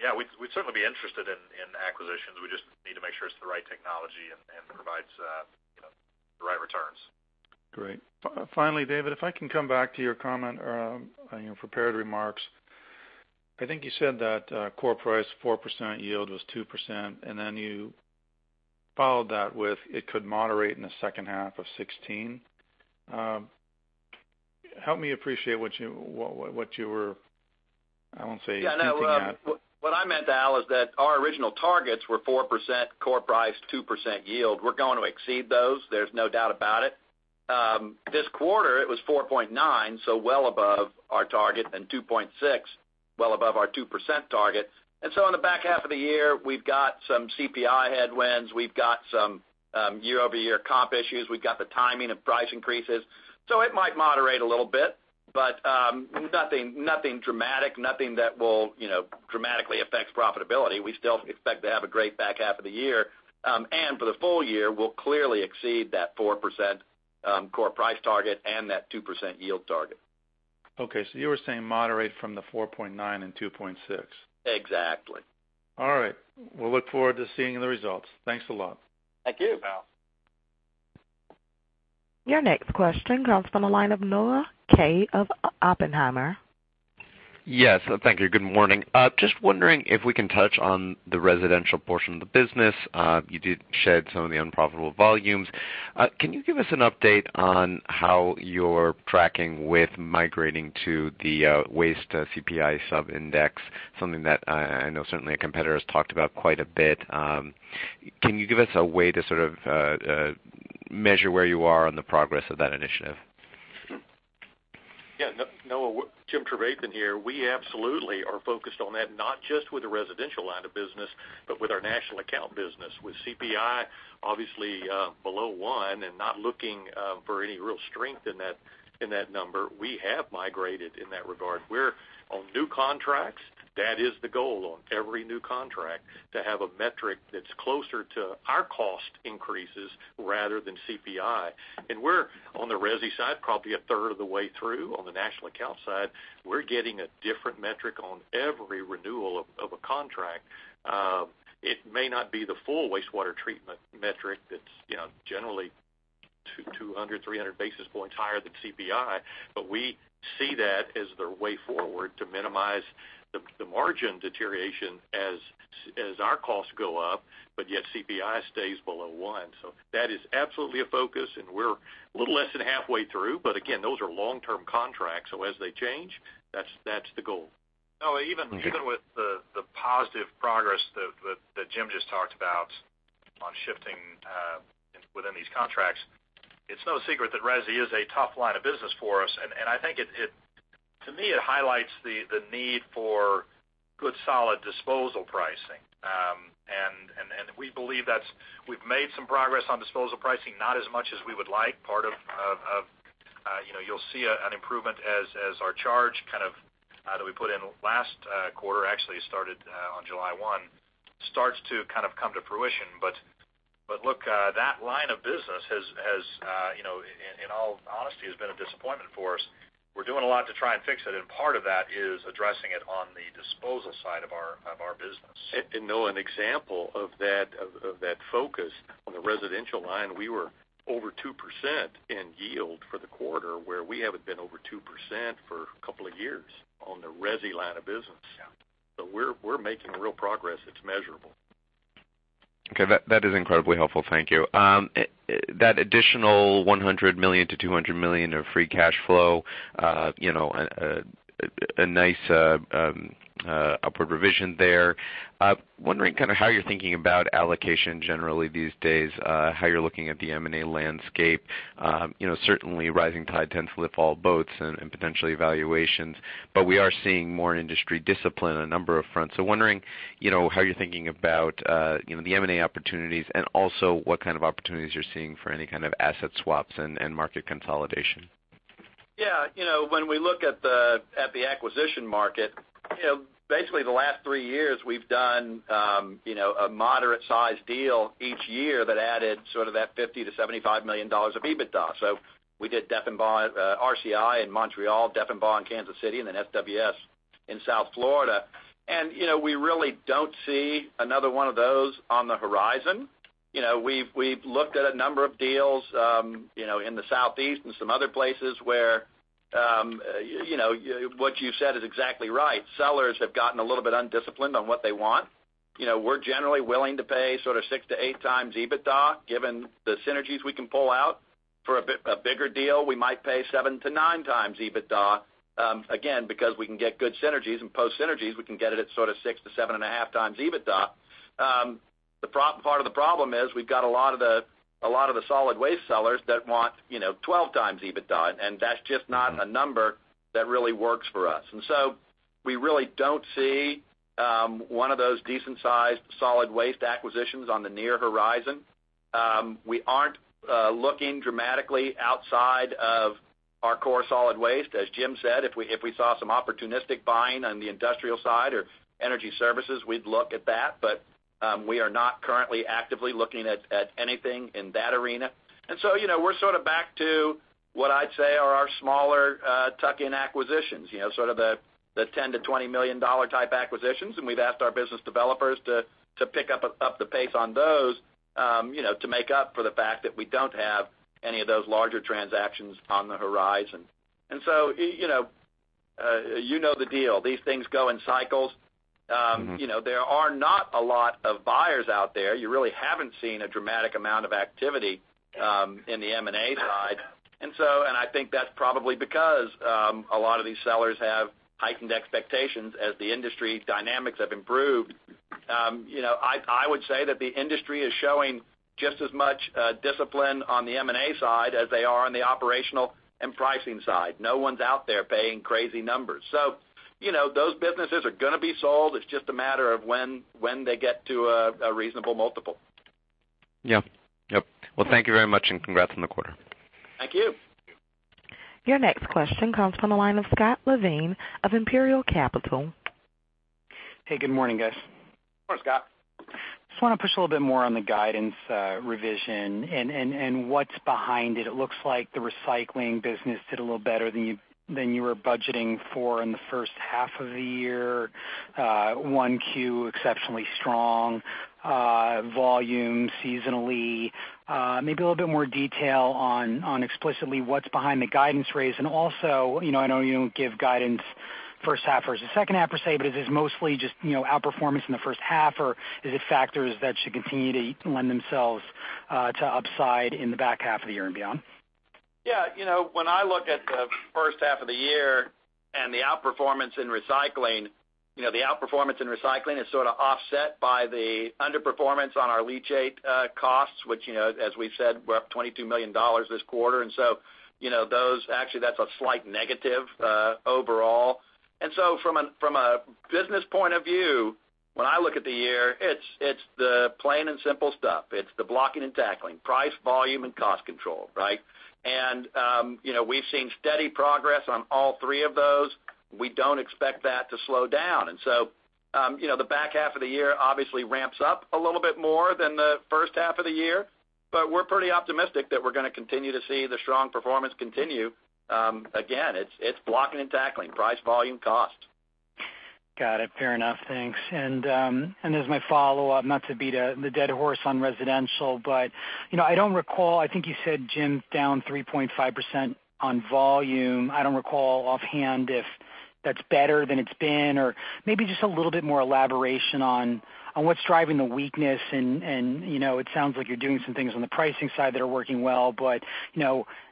yeah, we'd certainly be interested in acquisitions. We just need to make sure it's the right technology and provides the right returns. Great. Finally, David, if I can come back to your comment on your prepared remarks. I think you said that core price 4% yield was 2%, then you followed that with it could moderate in the second half of 2016. Help me appreciate what you were, I won't say thinking at. Yeah, no. What I meant, Al, is that our original targets were 4% core price, 2% yield. We're going to exceed those, there's no doubt about it. This quarter, it was 4.9, so well above our target, and 2.6, well above our 2% target. In the back half of the year, we've got some CPI headwinds. We've got some year-over-year comp issues. We've got the timing of price increases. It might moderate a little bit, but nothing dramatic, nothing that will dramatically affect profitability. We still expect to have a great back half of the year. For the full year, we'll clearly exceed that 4% core price target and that 2% yield target. Okay. You were saying moderate from the 4.9 and 2.6. Exactly. All right. We'll look forward to seeing the results. Thanks a lot. Thank you. Thank you, Al. Your next question comes from the line of Noah Kaye of Oppenheimer. Yes, thank you. Good morning. Just wondering if we can touch on the residential portion of the business. You did shed some of the unprofitable volumes. Can you give us an update on how you're tracking with migrating to the waste CPI sub-index? Something that I know certainly a competitor has talked about quite a bit. Can you give us a way to sort of measure where you are on the progress of that initiative? Yeah. Noah, Jim Trevathan here. We absolutely are focused on that, not just with the residential line of business, but with our national account business. With CPI obviously below one and not looking for any real strength in that number, we have migrated in that regard. We're on new contracts. That is the goal on every new contract, to have a metric that's closer to our cost increases rather than CPI. We're on the resi side probably a third of the way through. On the national account side, we're getting a different metric on every renewal of a contract. It may not be the full wastewater treatment metric that's generally 200, 300 basis points higher than CPI. We see that as the way forward to minimize the margin deterioration as our costs go up, yet CPI stays below one. That is absolutely a focus, and we're a little less than halfway through. Again, those are long-term contracts, so as they change, that's the goal. Noah, even with the positive progress that Jim just talked about on shifting within these contracts, it's no secret that resi is a tough line of business for us. I think to me, it highlights the need for good, solid disposal pricing. We believe we've made some progress on disposal pricing, not as much as we would like. You'll see an improvement as our charge kind of, that we put in last quarter, actually it started on July 1, starts to kind of come to fruition. Look, that line of business, in all honesty, has been a disappointment for us. We're doing a lot to try and fix it, and part of that is addressing it on the disposal side of our business. Noah, an example of that focus on the residential line, we were over 2% in yield for the quarter, where we haven't been over 2% for a couple of years on the resi line of business. Yeah. We're making real progress that's measurable. Okay, that is incredibly helpful. Thank you. That additional $100 million to $200 million of free cash flow, a nice upward revision there. Wondering kind of how you're thinking about allocation generally these days, how you're looking at the M&A landscape. Certainly rising tide tends to lift all boats and potentially valuations. We are seeing more industry discipline on a number of fronts. Wondering how you're thinking about the M&A opportunities and also what kind of opportunities you're seeing for any kind of asset swaps and market consolidation. Yeah. When we look at the acquisition market, basically the last three years, we've done a moderate-sized deal each year that added sort of that $50 million to $75 million of EBITDA. We did RCI in Montreal, Deffenbaugh in Kansas City, and then SWS in South Florida. We really don't see another one of those on the horizon. We've looked at a number of deals in the Southeast and some other places where what you've said is exactly right. Sellers have gotten a little bit undisciplined on what they want. We're generally willing to pay sort of 6 to 8 times EBITDA, given the synergies we can pull out. For a bigger deal, we might pay 7 to 9 times EBITDA, again, because we can get good synergies, and post synergies, we can get it at sort of 6 to 7.5 times EBITDA. Part of the problem is we've got a lot of the solid waste sellers that want 12 times EBITDA. That's just not a number that really works for us. We really don't see one of those decent-sized solid waste acquisitions on the near horizon. We aren't looking dramatically outside of our core solid waste. As Jim said, if we saw some opportunistic buying on the industrial side or energy services, we'd look at that. We are not currently actively looking at anything in that arena. We're sort of back to what I'd say are our smaller tuck-in acquisitions, sort of the $10 million to $20 million type acquisitions, and we've asked our business developers to pick up the pace on those to make up for the fact that we don't have any of those larger transactions on the horizon. You know the deal. These things go in cycles. There are not a lot of buyers out there. You really haven't seen a dramatic amount of activity in the M&A side. I think that's probably because a lot of these sellers have heightened expectations as the industry dynamics have improved. I would say that the industry is showing just as much discipline on the M&A side as they are on the operational and pricing side. No one's out there paying crazy numbers. Those businesses are going to be sold. It's just a matter of when they get to a reasonable multiple. Yeah. Well, thank you very much, and congrats on the quarter. Thank you. Your next question comes from the line of Scott Levine of Imperial Capital. Hey, good morning, guys. Good morning, Scott. Just want to push a little bit more on the guidance revision and what's behind it. It looks like the recycling business did a little better than you were budgeting for in the first half of the year. 1Q exceptionally strong volume seasonally. Maybe a little bit more detail on explicitly what's behind the guidance raise. I know you don't give guidance first half versus second half, per se, but is this mostly just outperformance in the first half, or is it factors that should continue to lend themselves to upside in the back half of the year and beyond? Yeah. When I look at the first half of the year and the outperformance in recycling, the outperformance in recycling is sort of offset by the underperformance on our leachate costs, which, as we said, were up $22 million this quarter. Actually that's a slight negative overall. From a business point of view, when I look at the year, it's the plain and simple stuff. It's the blocking and tackling. Price, volume, and cost control, right? We've seen steady progress on all three of those. We don't expect that to slow down. The back half of the year obviously ramps up a little bit more than the first half of the year, but we're pretty optimistic that we're going to continue to see the strong performance continue. Again, it's blocking and tackling. Price, volume, cost. Got it. Fair enough. Thanks. As my follow-up, not to beat a dead horse on residential, but I don't recall, I think you said, Jim, down 3.5% on volume. I don't recall offhand if that's better than it's been, or maybe just a little bit more elaboration on what's driving the weakness and it sounds like you're doing some things on the pricing side that are working well, but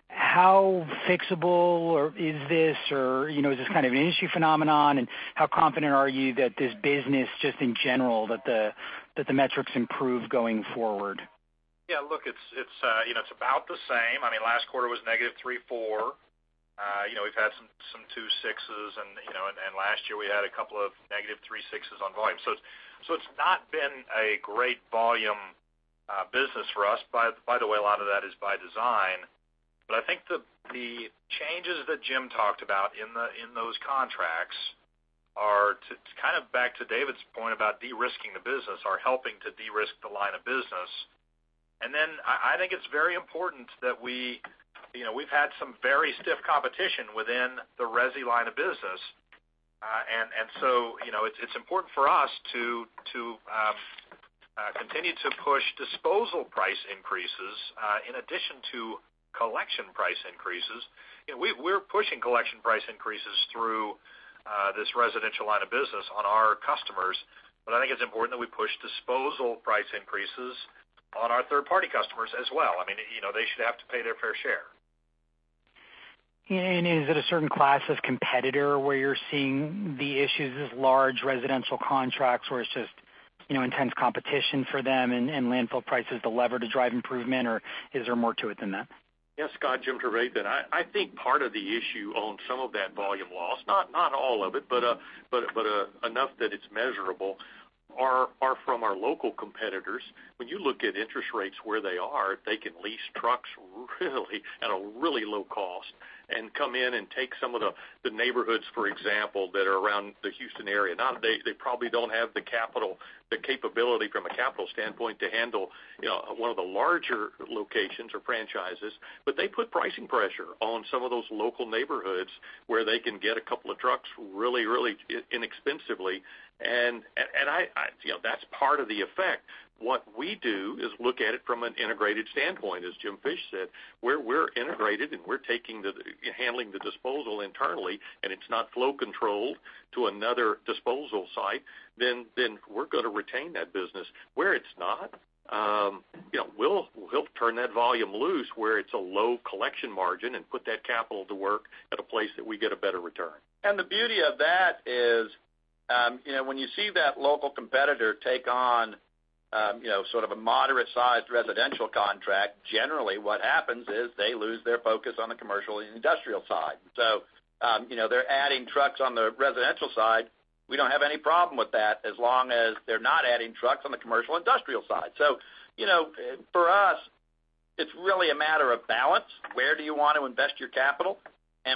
how fixable is this, or is this kind of an industry phenomenon, and how confident are you that this business, just in general, that the metrics improve going forward? Yeah, look, it's about the same. Last quarter was negative 3.4%. We've had some 2.6% and last year we had a couple of negative 3.6% on volume. It's not been a great volume business for us. By the way, a lot of that is by design. I think the changes that Jim talked about in those contracts are kind of back to David's point about de-risking the business, are helping to de-risk the line of business. I think it's very important that we've had some very stiff competition within the resi line of business. It's important for us to continue to push disposal price increases in addition to collection price increases. We're pushing collection price increases through this residential line of business on our customers. I think it's important that we push disposal price increases on our third-party customers as well. They should have to pay their fair share. Is it a certain class of competitor where you're seeing the issues as large residential contracts where it's just intense competition for them and landfill price is the lever to drive improvement, or is there more to it than that? Yes, Scott, Jim Fish here. I think part of the issue on some of that volume loss, not all of it, but enough that it's measurable, are from our local competitors. When you look at interest rates where they are, they can lease trucks at a really low cost and come in and take some of the neighborhoods, for example, that are around the Houston area. Now, they probably don't have the capital, the capability from a capital standpoint to handle one of the larger locations or franchises, but they put pricing pressure on some of those local neighborhoods where they can get a couple of trucks really inexpensively. That's part of the effect. What we do is look at it from an integrated standpoint. As Jim Fish said, we're integrated and we're handling the disposal internally, and it's not flow controlled to another disposal site, then we're going to retain that business. Where it's not We'll turn that volume loose where it's a low collection margin and put that capital to work at a place that we get a better return. The beauty of that is, when you see that local competitor take on sort of a moderate-sized residential contract, generally what happens is they lose their focus on the commercial and industrial side. They're adding trucks on the residential side. We don't have any problem with that, as long as they're not adding trucks on the commercial industrial side. For us, it's really a matter of balance. Where do you want to invest your capital?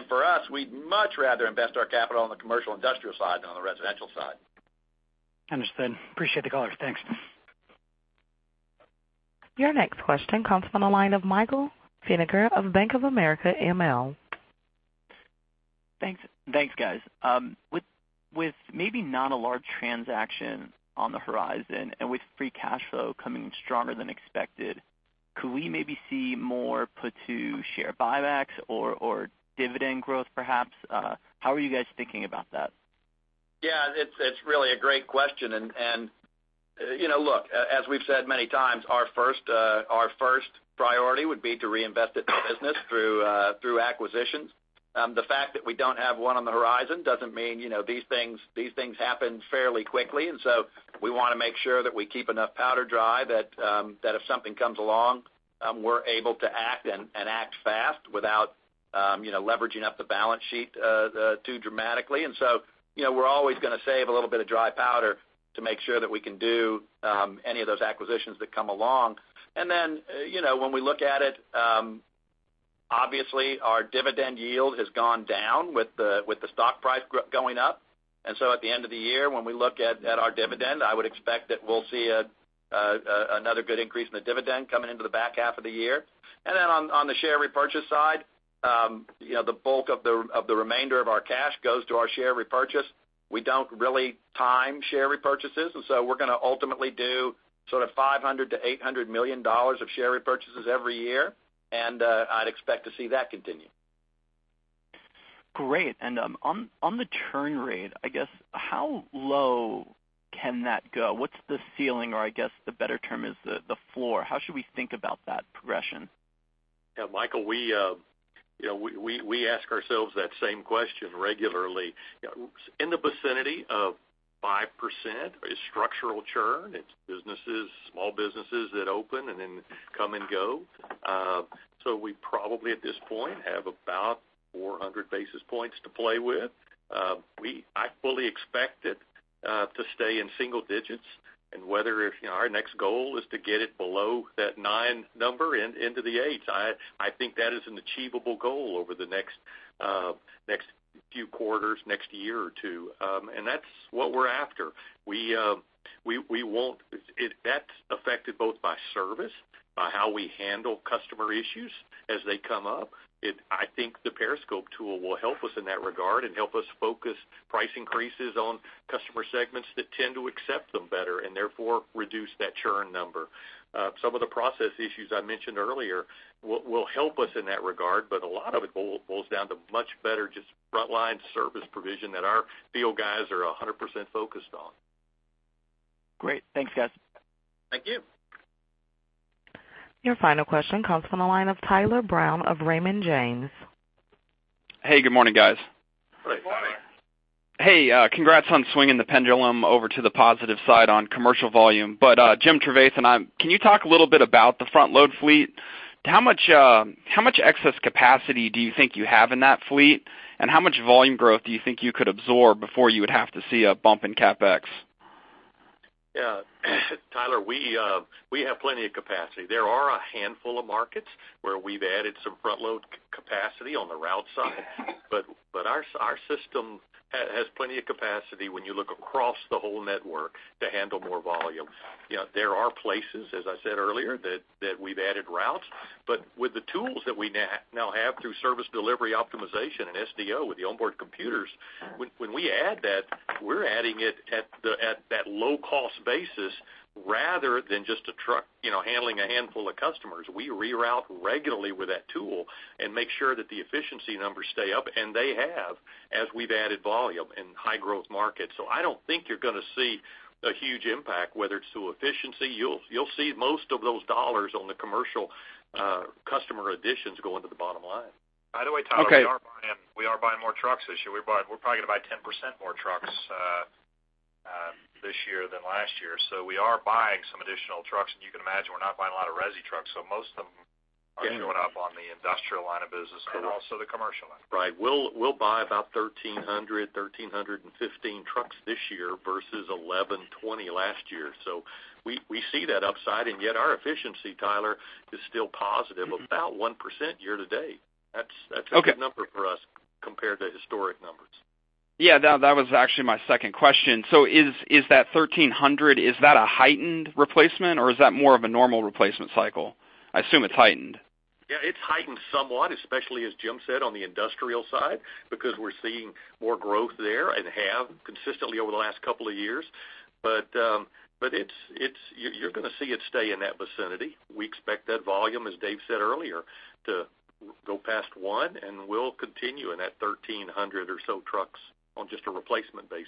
For us, we'd much rather invest our capital on the commercial industrial side than on the residential side. Understood. Appreciate the color. Thanks. Your next question comes from the line of Michael Knickerbocker of Bank of America ML. Thanks, guys. With maybe not a large transaction on the horizon and with free cash flow coming in stronger than expected, could we maybe see more put to share buybacks or dividend growth, perhaps? How are you guys thinking about that? Yeah, it's really a great question, and look, as we've said many times, our first priority would be to reinvest it in the business through acquisitions. The fact that we don't have one on the horizon doesn't mean these things happen fairly quickly. We want to make sure that we keep enough powder dry that if something comes along, we're able to act and act fast without leveraging up the balance sheet too dramatically. We're always going to save a little bit of dry powder to make sure that we can do any of those acquisitions that come along. When we look at it, obviously our dividend yield has gone down with the stock price going up. At the end of the year, when we look at our dividend, I would expect that we'll see another good increase in the dividend coming into the back half of the year. On the share repurchase side, the bulk of the remainder of our cash goes to our share repurchase. We don't really time share repurchases, we're going to ultimately do sort of $500 million-$800 million of share repurchases every year, and I'd expect to see that continue. Great. On the churn rate, I guess, how low can that go? What's the ceiling or I guess the better term is the floor? How should we think about that progression? Yeah, Michael, we ask ourselves that same question regularly. In the vicinity of 5% is structural churn. It's small businesses that open and then come and go. We probably, at this point, have about 400 basis points to play with. I fully expect it to stay in single digits, whether our next goal is to get it below that nine number and into the eights, I think that is an achievable goal over the next few quarters, next year or two. That's what we're after. That's affected both by service, by how we handle customer issues as they come up. I think the Periscope tool will help us in that regard help us focus price increases on customer segments that tend to accept them better, therefore reduce that churn number. Some of the process issues I mentioned earlier will help us in that regard, a lot of it boils down to much better just frontline service provision that our field guys are 100% focused on. Great. Thanks, guys. Thank you. Your final question comes from the line of Tyler Brown of Raymond James. Hey, good morning, guys. Good morning. Good morning. Hey, congrats on swinging the pendulum over to the positive side on commercial volume. Jim Trevathan uhm can you talk a little bit about the front load fleet? How much excess capacity do you think you have in that fleet, and how much volume growth do you think you could absorb before you would have to see a bump in CapEx? Yeah, Tyler, we have plenty of capacity. There are a handful of markets where we've added some front load capacity on the route side, our system has plenty of capacity when you look across the whole network to handle more volume. There are places, as I said earlier, that we've added routes, with the tools that we now have through Service Delivery Optimization and SDO with the onboard computers, when we add that, we're adding it at that low cost basis rather than just a truck handling a handful of customers. We reroute regularly with that tool and make sure that the efficiency numbers stay up, and they have, as we've added volume in high growth markets. I don't think you're going to see a huge impact, whether it's through efficiency. You'll see most of those dollars on the commercial customer additions go into the bottom line. By the way, Tyler, we are buying more trucks this year. We're probably going to buy 10% more trucks this year than last year. We are buying some additional trucks, you can imagine we're not buying a lot of resi trucks, most of them are showing up on the industrial line of business and also the commercial line. Right. We'll buy about 1,300, 1,315 trucks this year versus 1,120 last year. We see that upside, yet our efficiency, Tyler, is still positive, about 1% year to date. Okay. That's a good number for us compared to historic numbers. Yeah, that was actually my second question. Is that 1,300, is that a heightened replacement or is that more of a normal replacement cycle? I assume it's heightened. Yeah, it's heightened somewhat, especially as Jim said on the industrial side, because we're seeing more growth there and have consistently over the last couple of years. You're going to see it stay in that vicinity. We expect that volume, as Dave said earlier, to go past one, we'll continue in that 1,300 or so trucks on just a replacement basis.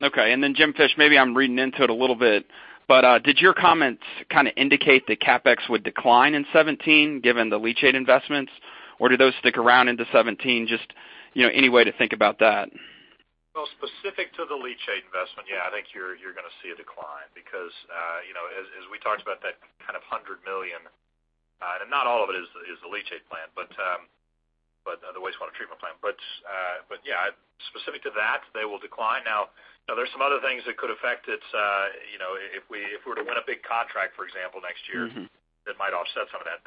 Okay. Jim Fish, maybe I'm reading into it a little bit, did your comments kind of indicate that CapEx would decline in 2017, given the leachate investments? Do those stick around into 2017? Just any way to think about that. Well, specific to the leachate investment, yeah, I think you're going to see a decline because, as we talked about that kind of $100 million, not all of it is the leachate plant, but the wastewater treatment plant. Yeah, specific to that, they will decline. Now, there's some other things that could affect it. If we were to win a big contract, for example, next year- that might offset some of that.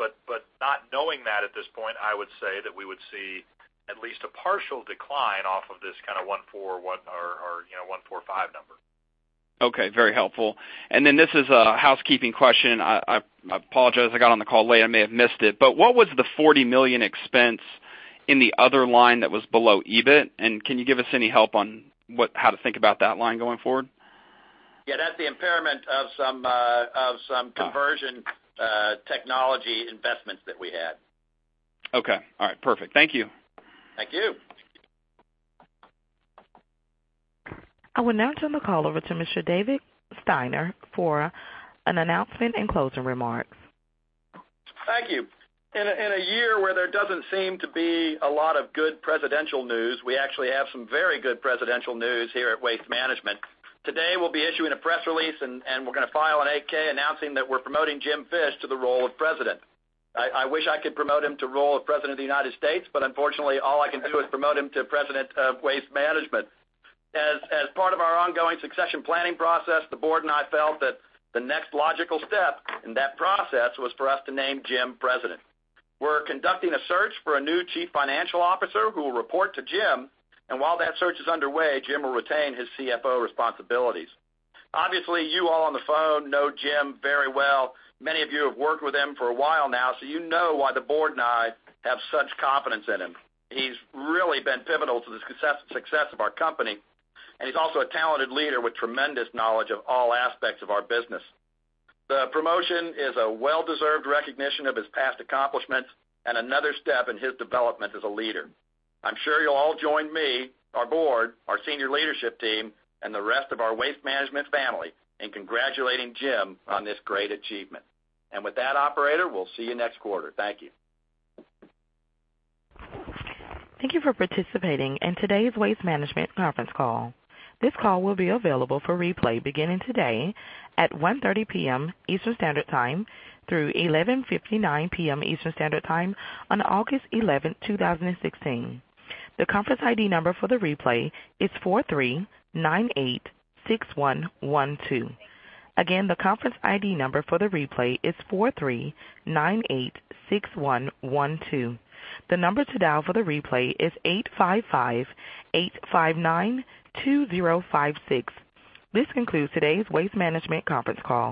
Not knowing that at this point, I would say that we would see at least a partial decline off of this kind of $1,400 or $1,450 number. Okay. Very helpful. This is a housekeeping question. I apologize. I got on the call late, I may have missed it, but what was the $40 million expense in the other line that was below EBIT? Can you give us any help on how to think about that line going forward? Yeah, that's the impairment of conversion technology investments that we had. Okay. All right, perfect. Thank you. Thank you. I will now turn the call over to Mr. David Steiner for an announcement and closing remarks. Thank you. In a year where there doesn't seem to be a lot of good presidential news, we actually have some very good presidential news here at Waste Management. Today, we'll be issuing a press release, and we're going to file an 8-K announcing that we're promoting Jim Fish to the role of President. I wish I could promote him to role of President of the United States, but unfortunately, all I can do is promote him to President of Waste Management. As part of our ongoing succession planning process, the Board and I felt that the next logical step in that process was for us to name Jim President. We're conducting a search for a new Chief Financial Officer who will report to Jim, and while that search is underway, Jim will retain his CFO responsibilities. Obviously, you all on the phone know Jim very well. Many of you have worked with him for a while now, so you know why the Board and I have such confidence in him. He's really been pivotal to the success of our company, and he's also a talented leader with tremendous knowledge of all aspects of our business. The promotion is a well-deserved recognition of his past accomplishments and another step in his development as a leader. I'm sure you'll all join me, our Board, our senior leadership team, and the rest of our Waste Management family in congratulating Jim on this great achievement. With that, operator, we'll see you next quarter. Thank you. Thank you for participating in today's Waste Management conference call. This call will be available for replay beginning today at 1:30 P.M. Eastern Standard Time through 11:59 P.M. Eastern Standard Time on August 11, 2016. The conference ID number for the replay is 43986112. Again, the conference ID number for the replay is 43986112. The number to dial for the replay is 8558592056. This concludes today's Waste Management conference call.